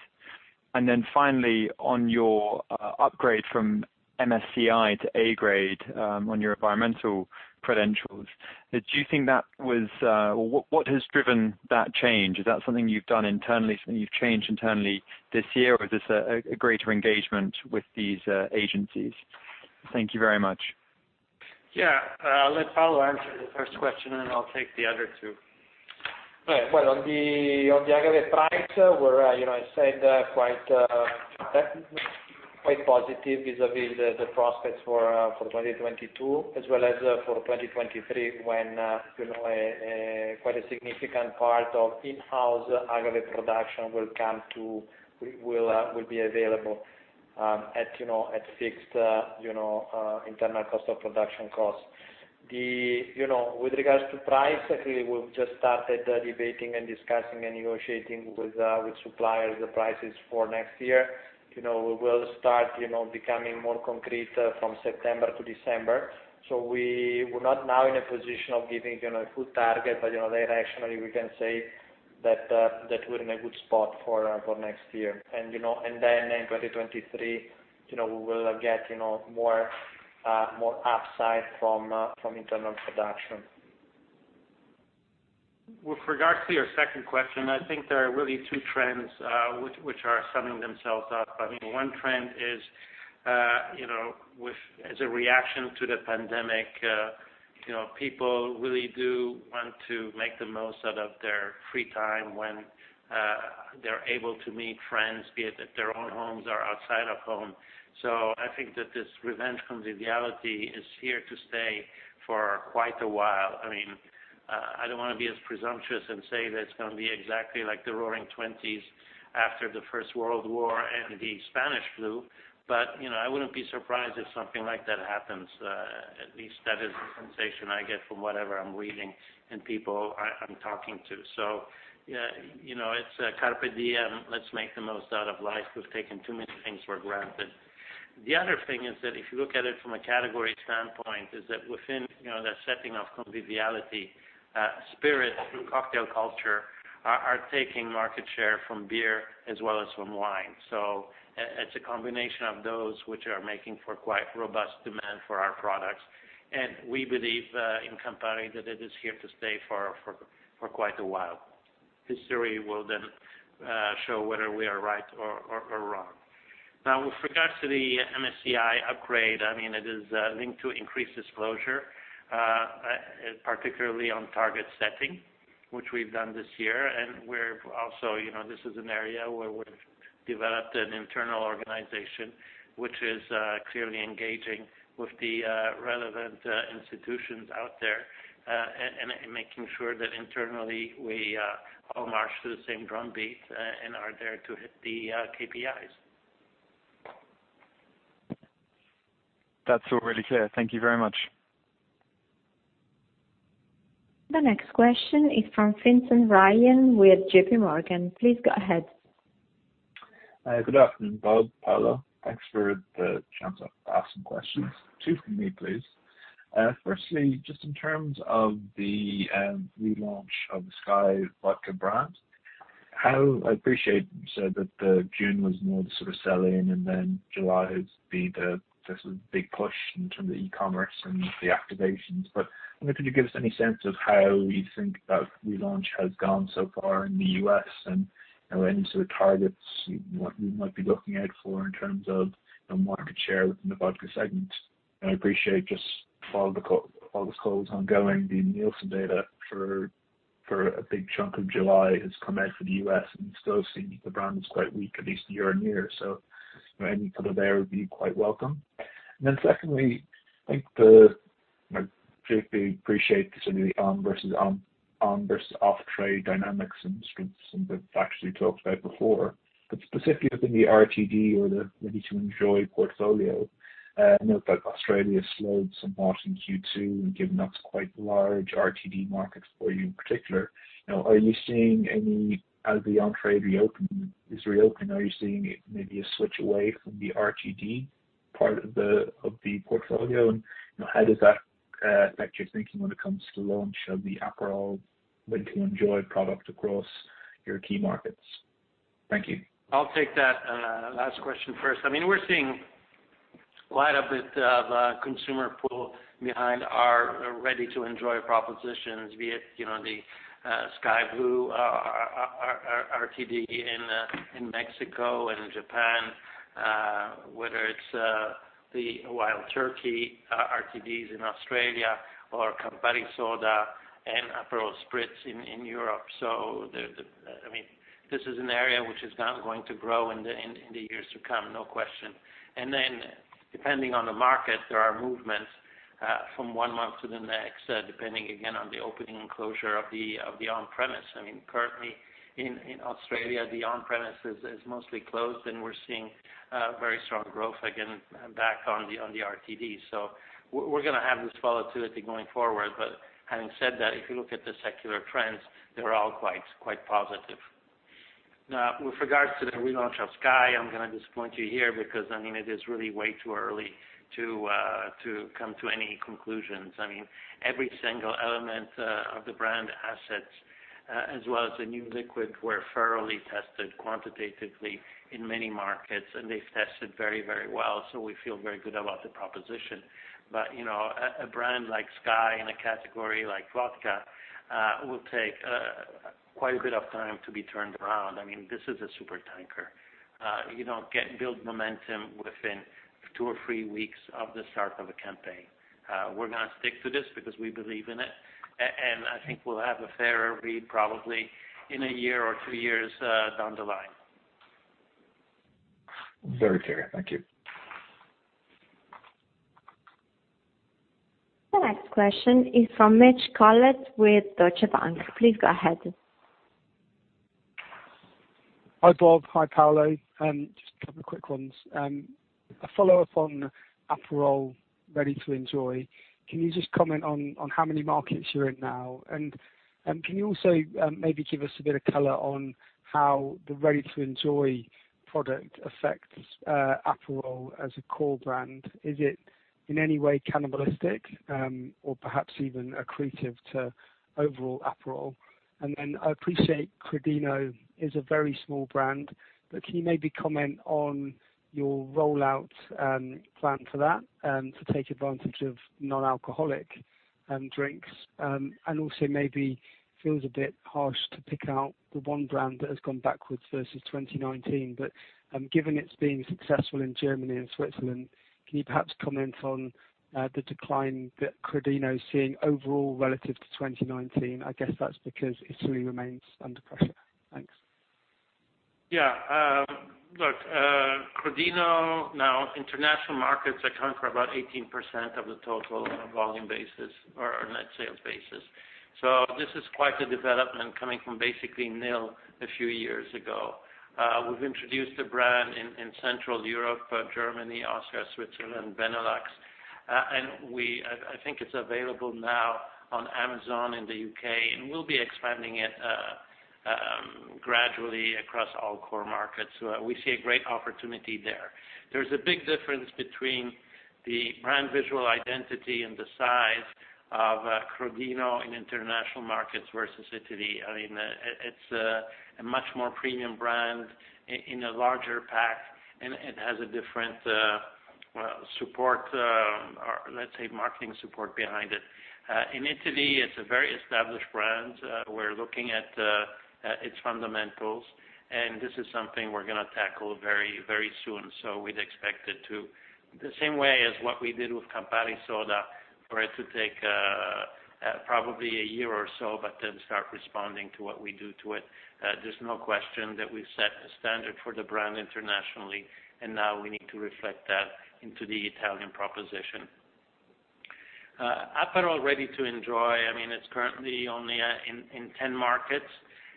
Speaker 9: Finally, on your upgrade from MSCI to A grade on your environmental credentials, what has driven that change? Is that something you've done internally, something you've changed internally this year, or is this a greater engagement with these agencies? Thank you very much.
Speaker 2: Yeah. I'll let Paolo answer the first question, and then I'll take the other two.
Speaker 3: Well, on the agave price, we've said quite positive vis-a-vis the prospects for 2022 as well as for 2023 when, you know, a quite a significant part of in-house agave production will be available, you know, at fixed, you know, internal cost of production costs. You know, with regards to price, actually, we've just started debating and discussing and negotiating with suppliers the prices for next year. You know, we will start, you know, becoming more concrete from September to December. We're not now in a position of giving, you know, a full target. You know, directionally, we can say that we're in a good spot for next year. You know, and then in 2023, you know, we will get, you know, more, more upside from internal production.
Speaker 2: With regards to your second question, I think there are really two trends which are summing themselves up. I mean, one trend is, you know, with as a reaction to the pandemic, you know, people really do want to make the most out of their free time when they're able to meet friends, be it at their own homes or outside of home. I think that this revenge conviviality is here to stay for quite a while. I mean, I don't wanna be as presumptuous and say that it's gonna be exactly like the Roaring Twenties after the First World War and the Spanish flu, but, you know, I wouldn't be surprised if something like that happens. At least that is the sensation I get from whatever I'm reading and people I'm talking to. Yeah, you know, it's carpe diem, let's make the most out of life. We've taken too many things for granted. The other thing is that if you look at it from a category standpoint, is that within, you know, the setting of conviviality, spirit through cocktail culture are taking market share from beer as well as from wine. It's a combination of those which are making for quite robust demand for our products. We believe in Campari that it is here to stay for quite a while. History will then show whether we are right or wrong. With regards to the MSCI upgrade, I mean, it is linked to increased disclosure, particularly on target setting, which we've done this year. We're also, you know, this is an area where we've developed an internal organization which is clearly engaging with the relevant institutions out there, and making sure that internally, we all march to the same drum beat and are there to hit the KPIs.
Speaker 9: That's all really clear. Thank you very much.
Speaker 1: The next question is from Vincent Ryan with JPMorgan. Please go ahead.
Speaker 10: Good afternoon, Bob, Paolo. Thanks for the chance to ask some questions. Two from me, please. Firstly, just in terms of the relaunch of the SKYY Vodka brand, how I appreciate you said that the June was more the sort of sell-in, and then July has been the sort of big push in terms of e-commerce and the activations. I wonder if you could give us any sense of how you think that relaunch has gone so far in the U.S. and any sort of targets, what you might be looking out for in terms of market share within the vodka segment. I appreciate just with all this calls ongoing, the Nielsen data for a big chunk of July has come out for the U.S., and it still seems the brand is quite weak, at least year-on-year. Any color there would be quite welcome. Secondly, I think the just appreciating the sort of the on versus off trade dynamics and some of it's actually talked about before. Specifically within the RTD or the Ready to Enjoy portfolio, note that Australia slowed somewhat in Q2, and given that's quite large RTD market for you in particular. Are you seeing any as the on-trade is reopen, are you seeing maybe a switch away from the RTD part of the portfolio? How does that affect your thinking when it comes to launch of the Aperol Ready to Enjoy product across your key markets? Thank you.
Speaker 2: I'll take that last question first. I mean, we're seeing quite a bit of consumer pull behind our Ready to Enjoy propositions, be it, you know, the SKYY Blue RTD in Mexico and Japan, whether it's the Wild Turkey RTDs in Australia or Campari Soda and Aperol Spritz in Europe. Depending on the market, there are movements from one month to the next, depending again on the opening and closure of the on-premise. I mean, currently in Australia, the on-premise is mostly closed, and we're seeing very strong growth again back on the RTD. We're gonna have this volatility going forward. Having said that, if you look at the secular trends, they're all quite positive. With regards to the relaunch of SKYY, I'm gonna disappoint you here because, I mean, it is really way too early to come to any conclusions. I mean, every single element of the brand assets, as well as the new liquid were thoroughly tested quantitatively in many markets, and they've tested very, very well, so we feel very good about the proposition. You know, a brand like SKYY in a category like vodka will take quite a bit of time to be turned around. I mean, this is a supertanker. You know, build momentum within 2 or 3 weeks of the start of a campaign. We're gonna stick to this because we believe in it. I think we'll have a fairer read probably in a year or two years down the line.
Speaker 10: Very clear. Thank you.
Speaker 1: The next question is from Mitch Collett with Deutsche Bank. Please go ahead.
Speaker 11: Hi, Bob. Hi, Paolo. Just a couple of quick ones. A follow-up on Aperol Spritz Ready to Enjoy. Can you just comment on how many markets you're in now? Can you also maybe give us a bit of color on how the Ready to Enjoy product affects Aperol as a core brand? Is it in any way cannibalistic or perhaps even accretive to overall Aperol? I appreciate Crodino is a very small brand, but can you maybe comment on your rollout plan for that to take advantage of non-alcoholic drinks? Maybe feels a bit harsh to pick out the one brand that has gone backwards versus 2019. Given it's been successful in Germany and Switzerland, can you perhaps comment on the decline that Crodino is seeing overall relative to 2019? I guess that's because Italy remains under pressure. Thanks.
Speaker 2: Look, Crodino, now international markets account for about 18% of the total on a volume basis or a net sales basis. This is quite a development coming from basically zero a few years ago. We've introduced the brand in Central Europe, Germany, Austria, Switzerland, Benelux. I think it's available now on Amazon in the U.K., and we'll be expanding it gradually across all core markets. We see a great opportunity there. There's a big difference between the brand visual identity and the size of Crodino in international markets versus Italy. I mean, it's a much more premium brand in a larger pack, and it has a different support, or let's say, marketing support behind it. In Italy, it's a very established brand. We're looking at its fundamentals, this is something we're gonna tackle very, very soon. We'd expect it to The same way as what we did with Campari Soda for it to take probably a year or so, but then start responding to what we do to it. There's no question that we've set a standard for the brand internationally, and now we need to reflect that into the Italian proposition. Aperol Ready to Enjoy, I mean, it's currently only in 10 markets.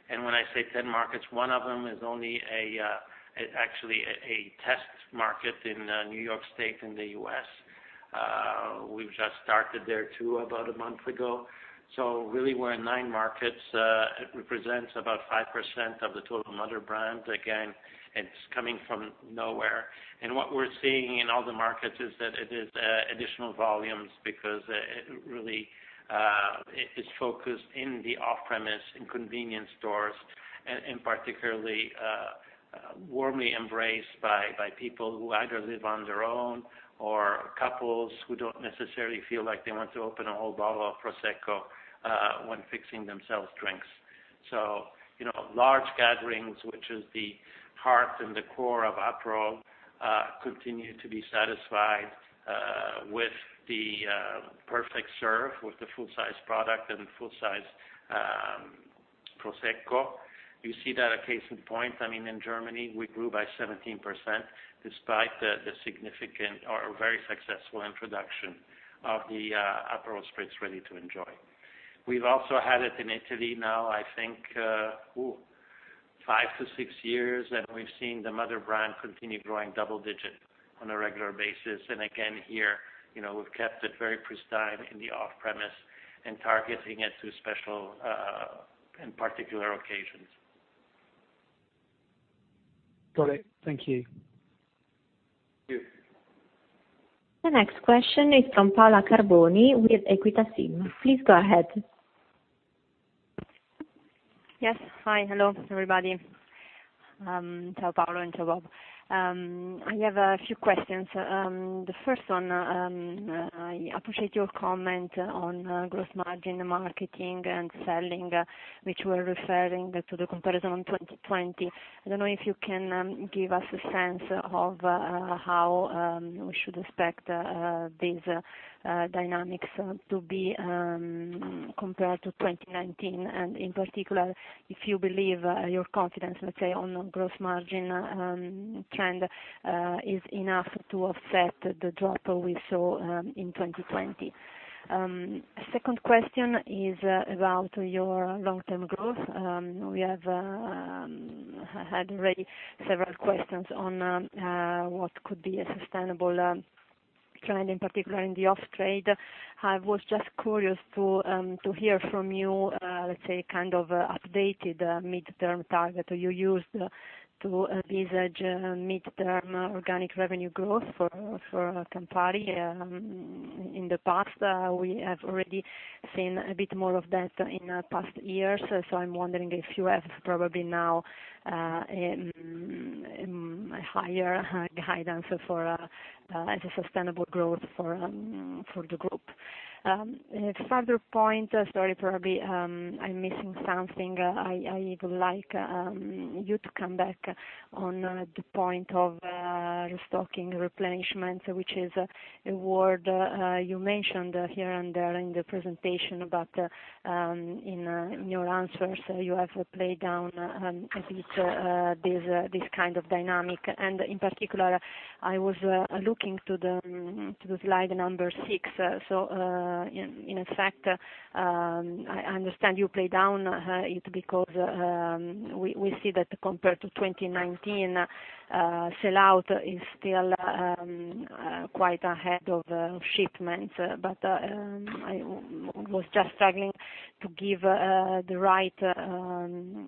Speaker 2: When I say 10 markets, one of them is actually a test market in New York State in the U.S. We've just started there too about a month ago. Really, we're in nine markets. It represents about 5% of the total mother brand. Again, it's coming from nowhere. What we're seeing in all the markets is that it is additional volumes because it really is focused in the off-premise, in convenience stores, and particularly warmly embraced by people who either live on their own or couples who don't necessarily feel like they want to open a whole bottle of Prosecco when fixing themselves drinks. You know, large gatherings, which is the heart and the core of Aperol, continue to be satisfied with the perfect serve with the full-size product and full-size Prosecco. You see that a case in point, I mean, in Germany, we grew by 17% despite the significant or very successful introduction of the Aperol Spritz Ready to Enjoy. We've also had it in Italy now, I think, five to six years, and we've seen the mother brand continue growing double-digit on a regular basis. Again, here, you know, we've kept it very pristine in the off-premise and targeting it to special, and particular occasions.
Speaker 11: Got it. Thank you.
Speaker 2: Thank you.
Speaker 1: The next question is from Paola Carboni with Equita SIM. Please go ahead.
Speaker 12: Yes. Hi. Hello, everybody. Ciao, Paolo and ciao, Bob. I have a few questions. The first one, I appreciate your comment on gross margin marketing and selling, which were referring to the comparison on 2020. I don't know if you can give us a sense of how we should expect these dynamics to be compared to 2019. In particular, if you believe your confidence, let's say, on gross margin trend, is enough to offset the drop we saw in 2020. Second question is about your long-term growth. We have had already several questions on what could be a sustainable trend, in particular in the off-trade. I was just curious to hear from you, let's say, kind of updated midterm target you used to envisage midterm organic revenue growth for Campari. In the past, we have already seen a bit more of that in past years. I'm wondering if you have probably now a higher guidance for as a sustainable growth for the group. A further point. Sorry, probably, I'm missing something. I would like you to come back on the point of restocking replenishment, which is a word you mentioned here and there in the presentation about in your answers. You have played down a bit this kind of dynamic. In particular, I was looking to the slide number six. In effect, I understand you play down it because we see that compared to 2019, sellout is still quite ahead of shipments. I was just struggling to give the right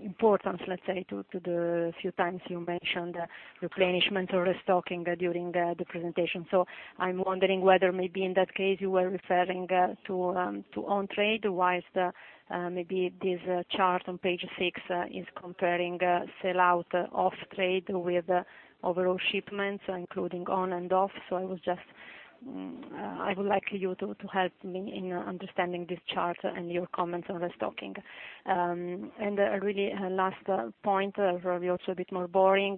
Speaker 12: importance, let's say, to the few times you mentioned replenishment or restocking during the presentation. I'm wondering whether maybe in that case you were referring to on-trade, whilst maybe this chart on page six is comparing sellout off trade with overall shipments, including on and off. I would like you to help me in understanding this chart and your comments on restocking. Really last point, probably also a bit more boring.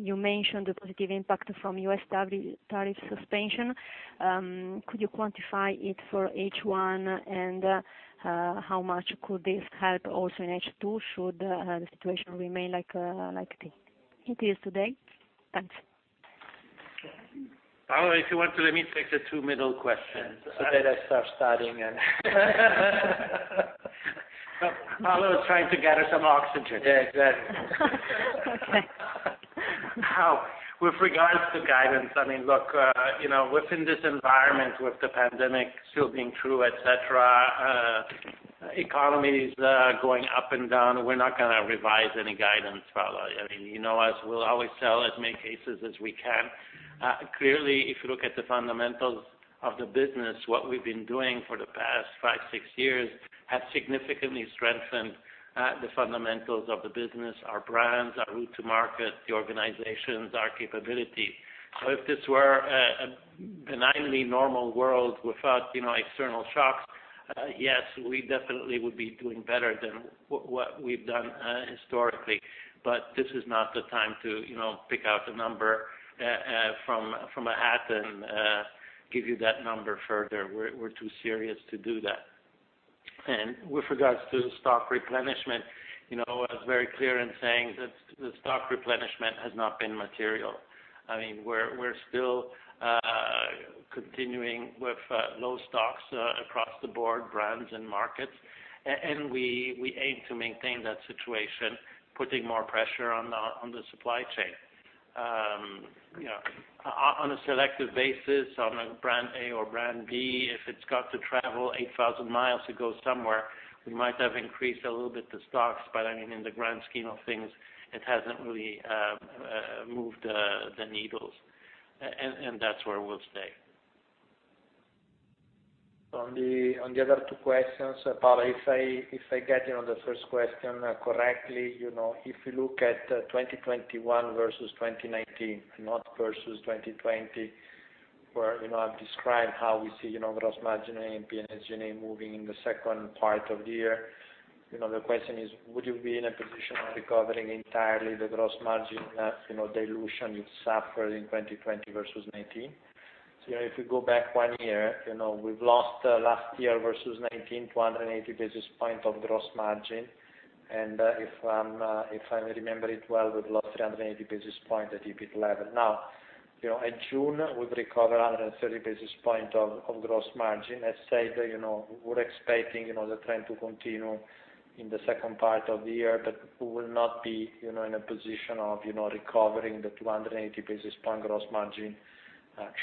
Speaker 12: You mentioned the positive impact from U.S. tariff suspension. Could you quantify it for H1? How much could this help also in H2 should the situation remain like it is today? Thanks.
Speaker 2: Paolo, if you want to let me take the two middle questions. That I start studying and Paolo is trying to get us some oxygen. Yeah, exactly.
Speaker 12: Okay.
Speaker 2: With regards to guidance, I mean, look, you know, within this environment, with the pandemic still being true, et cetera, economies going up and down, we're not gonna revise any guidance, Paola. I mean, you know us, we'll always sell as many cases as we can. Clearly, if you look at the fundamentals of the business, what we've been doing for the past five, six years has significantly strengthened the fundamentals of the business, our brands, our route to market, the organizations, our capabilities. If this were a benignly normal world without, you know, external shocks, yes, we definitely would be doing better than what we've done historically. This is not the time to, you know, pick out a number from a hat and give you that number further. We're too serious to do that. With regards to the stock replenishment, you know, I was very clear in saying that the stock replenishment has not been material. I mean, we're still continuing with low stocks across the board, brands and markets. We aim to maintain that situation, putting more pressure on the supply chain. You know, on a selective basis, on a brand A or brand B, if it's got to travel 8,000 miles to go somewhere, we might have increased a little bit the stocks, but I mean, in the grand scheme of things, it hasn't really moved the needles, and that's where we'll stay.
Speaker 3: On the, on the other two questions, Paola, if I, if I get, you know, the first question correctly, you know, if you look at 2021 versus 2019, not versus 2020, where, you know, I've described how we see, you know, gross margin, A&P, SG&A moving in the second part of the year. You know, the question is, would you be in a position of recovering entirely the gross margin, you know, dilution you suffered in 2020 versus 2019? You know, if you go back one year, you know, we've lost last year versus 2019, 280 basis point of gross margin. If I remember it well, we've lost 380 basis point at EBIT level. You know, in June, we've recovered 130 basis point of gross margin. As said, you know, we're expecting, you know, the trend to continue in the second part of the year, but we will not be, you know, in a position of, you know, recovering the 280 basis point gross margin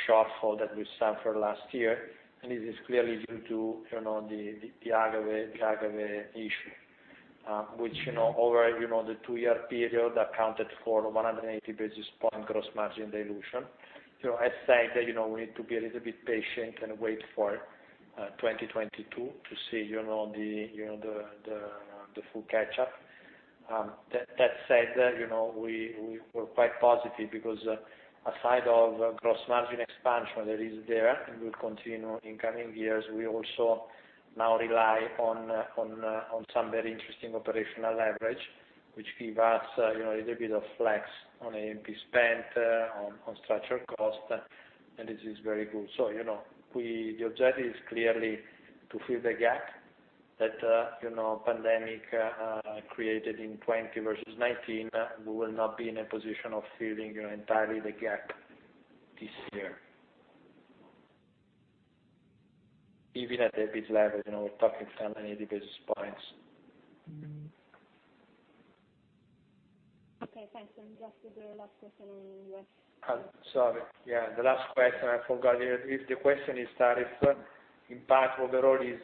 Speaker 3: shortfall that we suffered last year. It is clearly due to, you know, the agave issue, which, you know, over, you know, the two-year period accounted for 180 basis point gross margin dilution. You know, as said, you know, we need to be a little bit patient and wait for 2022 to see, you know, the full catch-up. That said, you know, we're quite positive because aside of gross margin expansion that is there and will continue in coming years, we also now rely on, on some very interesting operational leverage, which give us, you know, a little bit of flex on A&P spend, on structural cost. This is very good. The objective is clearly to fill the gap that, you know, pandemic created in 2020 versus 2019. We will not be in a position of filling entirely the gap this year. Even at EBIT level, you know, we're talking 280 basis points.
Speaker 12: Okay, thanks. Just the last question on U.S.
Speaker 3: Sorry. Yeah, the last question, I forgot. If the question is tariff impact overall is,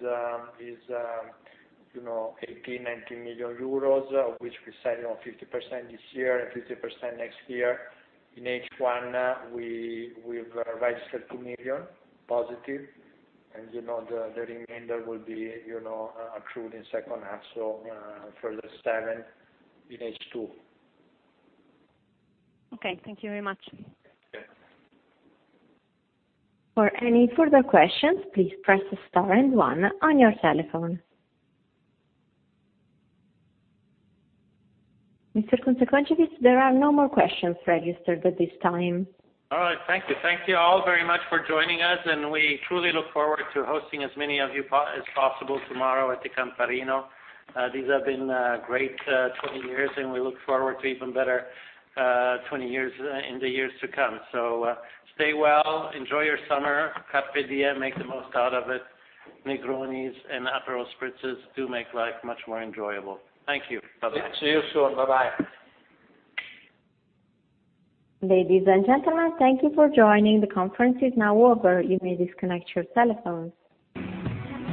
Speaker 3: you know, 18 to 19 million euros, of which we said, you know, 50% this year and 50% next year. In H1, we've registered 2 million positive and, you know, the remainder will be, you know, accrued in second half, so, further 7 million in H2.
Speaker 12: Okay, thank you very much.
Speaker 3: Okay.
Speaker 1: Mr. Kunze-Concewitz, there are no more questions registered at this time.
Speaker 2: All right. Thank you. Thank you all very much for joining us. We truly look forward to hosting as many of you as possible tomorrow at the Camparino. These have been a great 20 years. We look forward to even better 20 years in the years to come. Stay well. Enjoy your summer. Carpe diem, make the most out of it. Negronis and Aperol Spritzes do make life much more enjoyable. Thank you. Bye-bye.
Speaker 3: See you soon. Bye-bye.
Speaker 1: Ladies and gentlemen, thank you for joining. The conference is now over. You may disconnect your telephones.